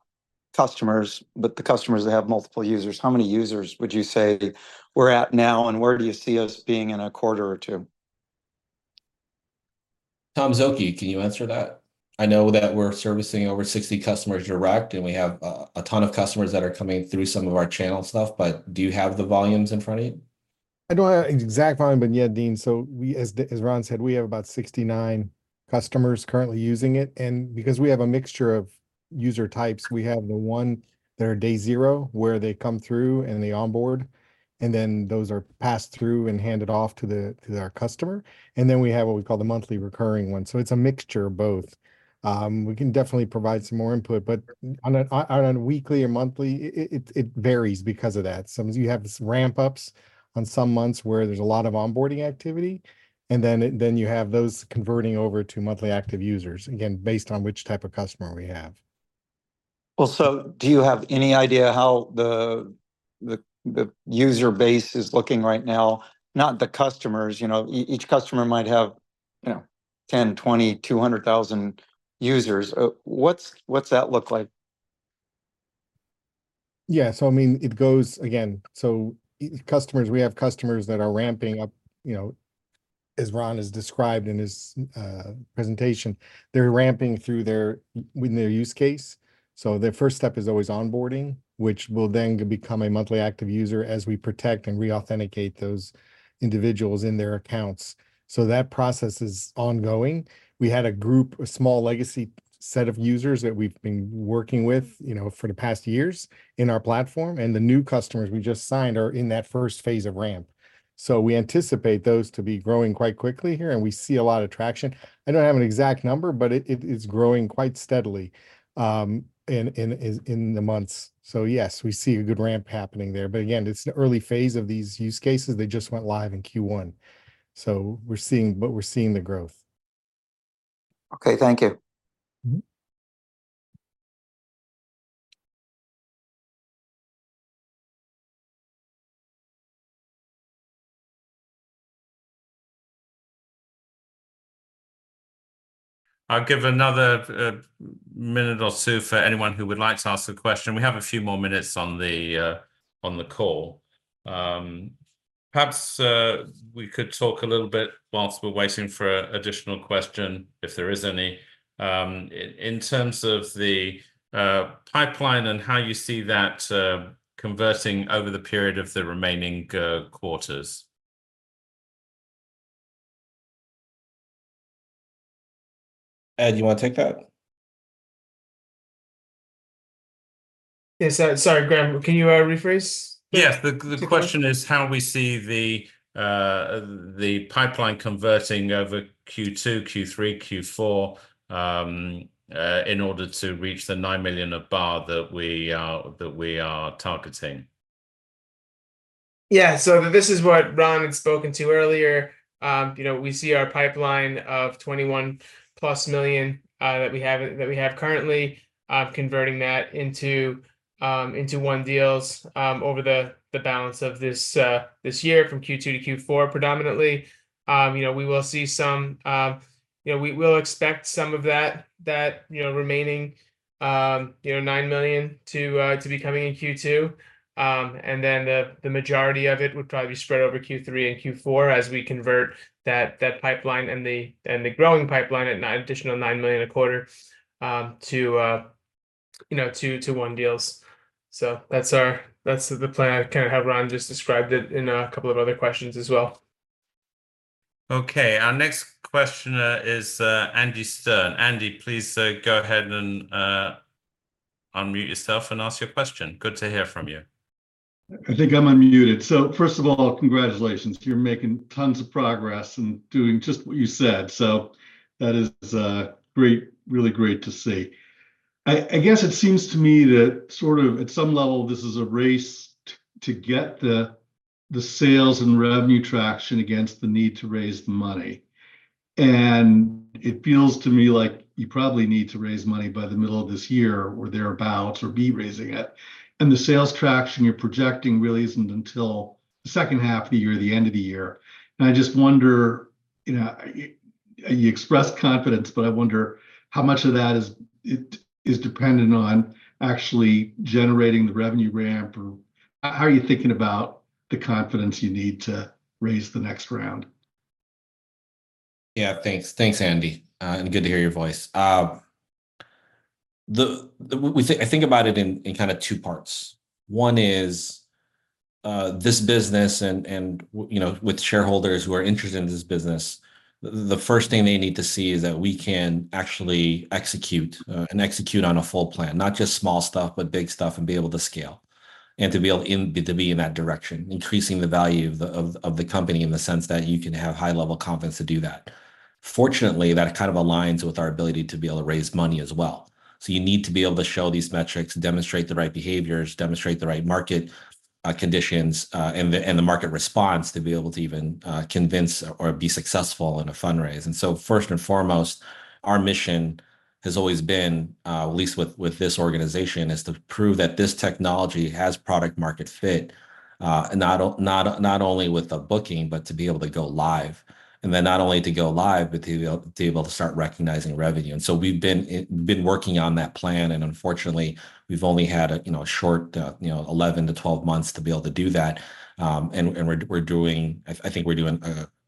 customers, but the customers that have multiple users. How many users would you say we're at now, and where do you see us being in a quarter or two? Tom Szoke, can you answer that? I know that we're servicing over 60 customers direct, and we have a ton of customers that are coming through some of our channel stuff, but do you have the volumes in front of you? I don't have an exact volume, but yeah, Dean, so we, as Rhon said, we have about 69 customers currently using it, and because we have a mixture of user types, we have the ones that are day zero, where they come through and they onboard, and then those are passed through and handed off to the, to our customer. And then we have what we call the monthly recurring one. So it's a mixture of both. We can definitely provide some more input, but on a weekly or monthly, it varies because of that. Sometimes you have these ramp-ups on some months where there's a lot of onboarding activity, and then you have those converting over to monthly active users, again, based on which type of customer we have. Well, so do you have any idea how the user base is looking right now? Not the customers, you know, each customer might have, you know, 10, 20, 200,000 users. What's that look like? Yeah, so I mean, it goes... Again, so customers, we have customers that are ramping up, you know, as Rhon has described in his presentation. They're ramping through their, in their use case. So their first step is always onboarding, which will then become a monthly active user as we protect and reauthenticate those individuals in their accounts. So that process is ongoing. We had a group, a small legacy set of users that we've been working with, you know, for the past years in our platform, and the new customers we just signed are in that first phase of ramp. So we anticipate those to be growing quite quickly here, and we see a lot of traction. I don't have an exact number, but it's growing quite steadily in the months. So yes, we see a good ramp happening there, but again, it's the early phase of these use cases. They just went live in Q1. So we're seeing the growth. Okay, thank you. Mm-hmm. I'll give another minute or two for anyone who would like to ask a question. We have a few more minutes on the call. Perhaps we could talk a little bit whilst we're waiting for an additional question, if there is any, in terms of the pipeline and how you see that converting over the period of the remaining quarters. Ed, you want to take that? Yeah, so sorry, Graham, can you rephrase? Yes. Take- The question is how we see the pipeline converting over Q2, Q3, Q4, in order to reach the $9 million of BAR that we are targeting. Yeah, so this is what Rhon had spoken to earlier. You know, we see our pipeline of $21+ million that we have currently converting that into won deals over the balance of this year from Q2 to Q4, predominantly. You know, we will see some... You know, we will expect some of that remaining you know $9 million to be coming in Q2. And then the majority of it would probably be spread over Q3 and Q4 as we convert that pipeline and the growing pipeline at additional $9 million a quarter to you know to won deals. So that's our that's the plan, kind of how Rhon just described it in a couple of other questions as well. Okay, our next questioner is, Andy Stern. Andy, please, go ahead and, unmute yourself and ask your question. Good to hear from you. I think I'm unmuted. So first of all, congratulations, you're making tons of progress and doing just what you said, so that is great, really great to see. I guess it seems to me that sort of at some level, this is a race to get the sales and revenue traction against the need to raise the money. And it feels to me like you probably need to raise money by the middle of this year, or thereabout, or be raising it. And the sales traction you're projecting really isn't until the second half of the year or the end of the year. And I just wonder, you know, you express confidence, but I wonder how much of that is dependent on actually generating the revenue ramp, or how are you thinking about the confidence you need to raise the next round?... Yeah, thanks. Thanks, Andy, and good to hear your voice. We think, I think about it in kind of two parts. One is this business and, you know, with shareholders who are interested in this business, the first thing they need to see is that we can actually execute and execute on a full plan, not just small stuff, but big stuff, and be able to scale. And to be able to, to be in that direction, increasing the value of the of the company in the sense that you can have high level confidence to do that. Fortunately, that kind of aligns with our ability to be able to raise money as well. So you need to be able to show these metrics, demonstrate the right behaviors, demonstrate the right market, conditions, and the market response to be able to even convince or be successful in a fundraise. And so first and foremost, our mission has always been, at least with this organization, is to prove that this technology has product market fit. And not only with the booking, but to be able to go live. And then not only to go live, but to be able to start recognizing revenue. And so we've been working on that plan, and unfortunately, we've only had a you know short you know 11-12 months to be able to do that. And we're doing... I think we're doing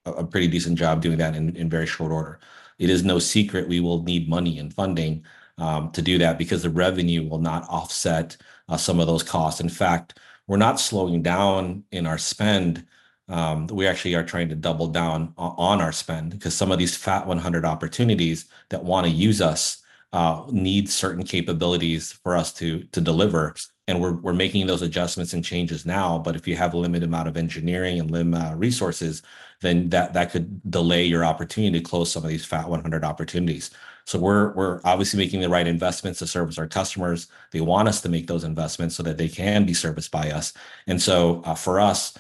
a pretty decent job doing that in very short order. It is no secret we will need money and funding to do that, because the revenue will not offset some of those costs. In fact, we're not slowing down in our spend. We actually are trying to double down on our spend, because some of these Fortune 100 opportunities that want to use us need certain capabilities for us to deliver, and we're making those adjustments and changes now. But if you have a limited amount of engineering and limited resources, then that could delay your opportunity to close some of these Fortune 100 opportunities. So we're obviously making the right investments to service our customers. They want us to make those investments so that they can be serviced by us. So, for us,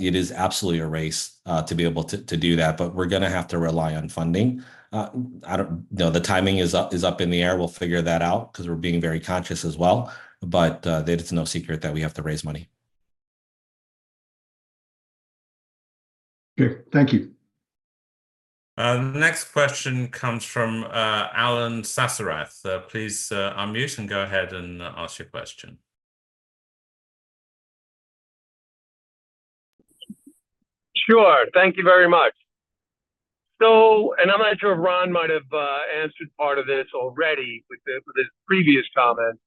it is absolutely a race to be able to, to do that, but we're gonna have to rely on funding. I don't... You know, the timing is up, is up in the air. We'll figure that out, 'cause we're being very conscious as well, but, it's no secret that we have to raise money. Okay, thank you. The next question comes from Alan Sasserath. Please unmute and go ahead and ask your question. Sure. Thank you very much. So, I'm not sure if Rhon might have answered part of this already with the, with his previous comment.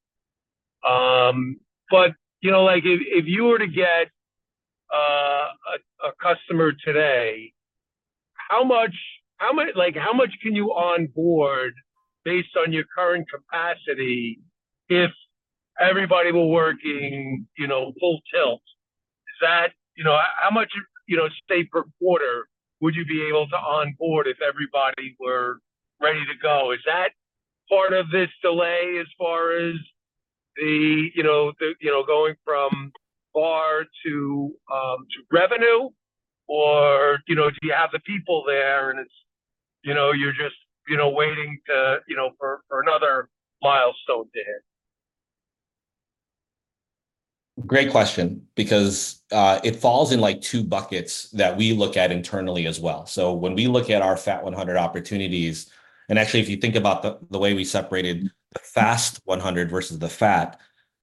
But you know, like if, if you were to get a customer today, how much, how much, like, how much can you onboard based on your current capacity if everybody were working, you know, full tilt? Is that... You know, how much, you know, say, per quarter, would you be able to onboard if everybody were ready to go? Is that part of this delay as far as the, you know, the, you know, going from BAR to to revenue? Or, you know, do you have the people there, and it's, you know, you're just, you know, waiting to, you know, for, for another milestone to hit? Great question, because it falls in, like, two buckets that we look at internally as well. So when we look at our Fat 100 opportunities, and actually, if you think about the way we separated the Fast 100 versus the Fat,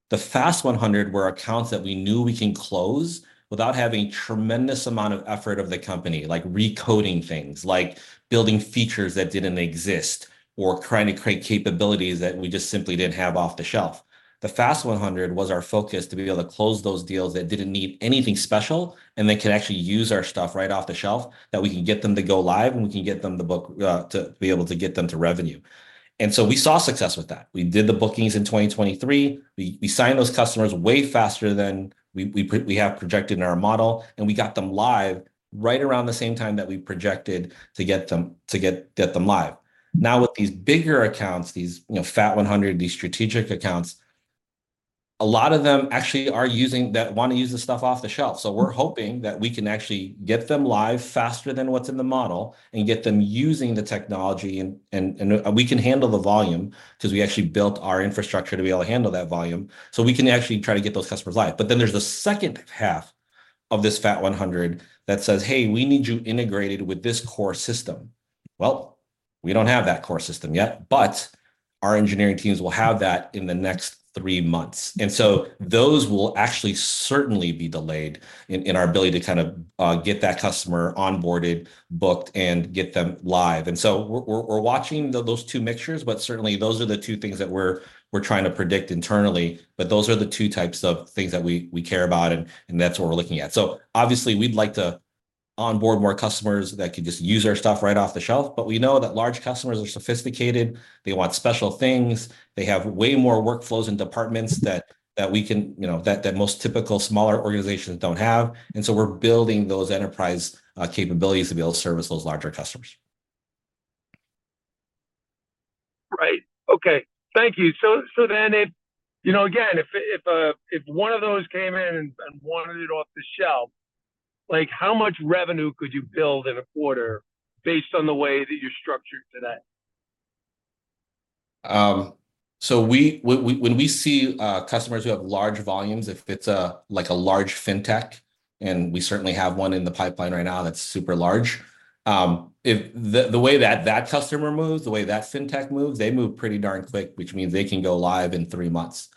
the Fast 100 were accounts that we knew we can close without having tremendous amount of effort of the company. Like recoding things, like building features that didn't exist, or trying to create capabilities that we just simply didn't have off the shelf. The Fast 100 was our focus to be able to close those deals that didn't need anything special, and they could actually use our stuff right off the shelf, that we can get them to go live, and we can get them to book, to be able to get them to revenue. And so we saw success with that. We did the bookings in 2023. We signed those customers way faster than we have projected in our model, and we got them live right around the same time that we projected to get them live. Now, with these bigger accounts, these, you know, Fortune 100, these strategic accounts, a lot of them actually are using. They want to use the stuff off the shelf. So we're hoping that we can actually get them live faster than what's in the model and get them using the technology. And we can handle the volume, 'cause we actually built our infrastructure to be able to handle that volume. So we can actually try to get those customers live. But then there's the second half of this Fat One Hundred that says, "Hey, we need you integrated with this core system." Well, we don't have that core system yet, but our engineering teams will have that in the next three months. And so those will actually certainly be delayed in our ability to kind of get that customer onboarded, booked, and get them live. And so we're watching those two mixtures, but certainly those are the two things that we're trying to predict internally. But those are the two types of things that we care about, and that's what we're looking at. So obviously, we'd like to onboard more customers that can just use our stuff right off the shelf, but we know that large customers are sophisticated, they want special things, they have way more workflows and departments that we can, you know, that most typical smaller organizations don't have, and so we're building those enterprise capabilities to be able to service those larger customers. Right. Okay, thank you. So then if, you know, again, if one of those came in and wanted it off the shelf, like, how much revenue could you build in a quarter based on the way that you're structured today? So we, when we see customers who have large volumes, if it's like a large fintech and we certainly have one in the pipeline right now that's super large. If the way that that customer moves, the way that fintech moves, they move pretty darn quick, which means they can go live in three months.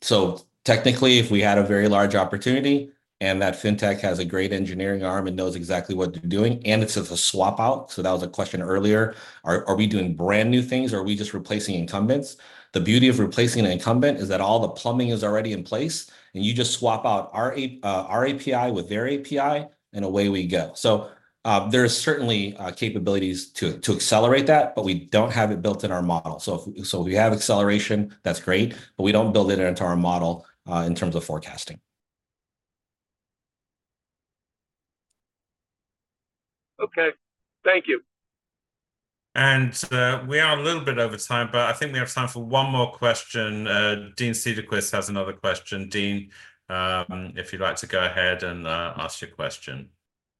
So technically, if we had a very large opportunity, and that fintech has a great engineering arm and knows exactly what they're doing, and it's just a swap out, so that was a question earlier. Are we doing brand new things or are we just replacing incumbents? The beauty of replacing an incumbent is that all the plumbing is already in place, and you just swap out our API with their API, and away we go. So, there's certainly capabilities to accelerate that, but we don't have it built in our model. So, if we have acceleration, that's great, but we don't build it into our model in terms of forecasting. Okay, thank you. We are a little bit over time, but I think we have time for one more question. Dean Cederquist has another question. Dean, if you'd like to go ahead and ask your question.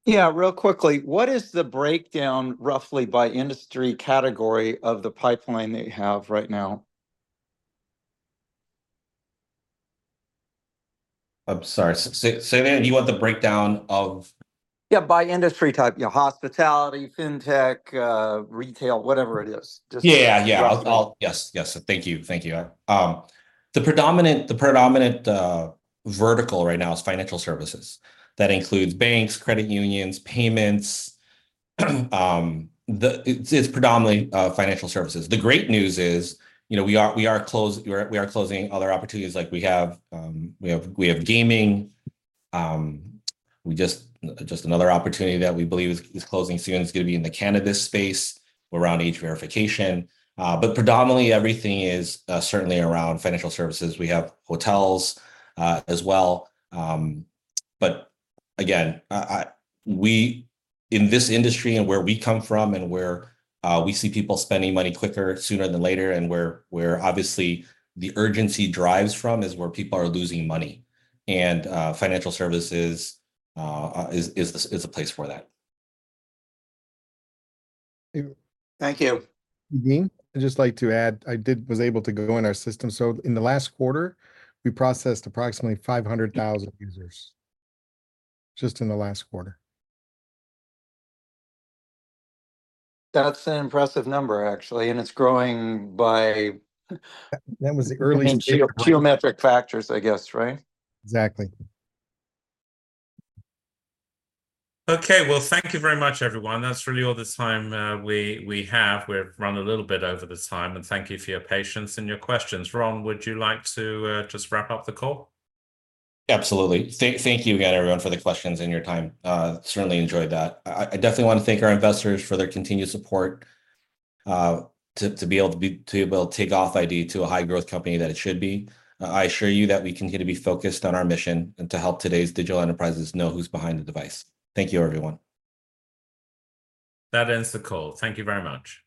Yeah, real quickly. What is the breakdown, roughly by industry category of the pipeline that you have right now? I'm sorry. So you want the breakdown of- Yeah, by industry type. You know, hospitality, fintech, retail, whatever it is, just- Yeah. Yeah. Roughly. Yes, yes. Thank you. Thank you. The predominant vertical right now is financial services. That includes banks, credit unions, payments. It's predominantly financial services. The great news is, you know, we are closing other opportunities, like we have gaming. Just another opportunity that we believe is closing soon. It's gonna be in the cannabis space around age verification. But predominantly, everything is certainly around financial services. We have hotels as well. But again, in this industry and where we come from, and where we see people spending money quicker, sooner than later, and where obviously the urgency drives from, is where people are losing money. Financial services is a place for that. Thank you. Dean, I'd just like to add, I was able to go in our system. So in the last quarter, we processed approximately 500,000 users, just in the last quarter. That's an impressive number, actually, and it's growing by- That was the early- Geometric factors, I guess, right? Exactly. Okay. Well, thank you very much, everyone. That's really all the time we have. We've run a little bit over the time, and thank you for your patience and your questions. Rhon, would you like to just wrap up the call? Absolutely. Thank you again, everyone, for the questions and your time. Certainly enjoyed that. I definitely wanna thank our investors for their continued support, to be able to take authID to a high growth company that it should be. I assure you that we continue to be focused on our mission, and to help today's digital enterprises know who's behind the device. Thank you, everyone. That ends the call. Thank you very much.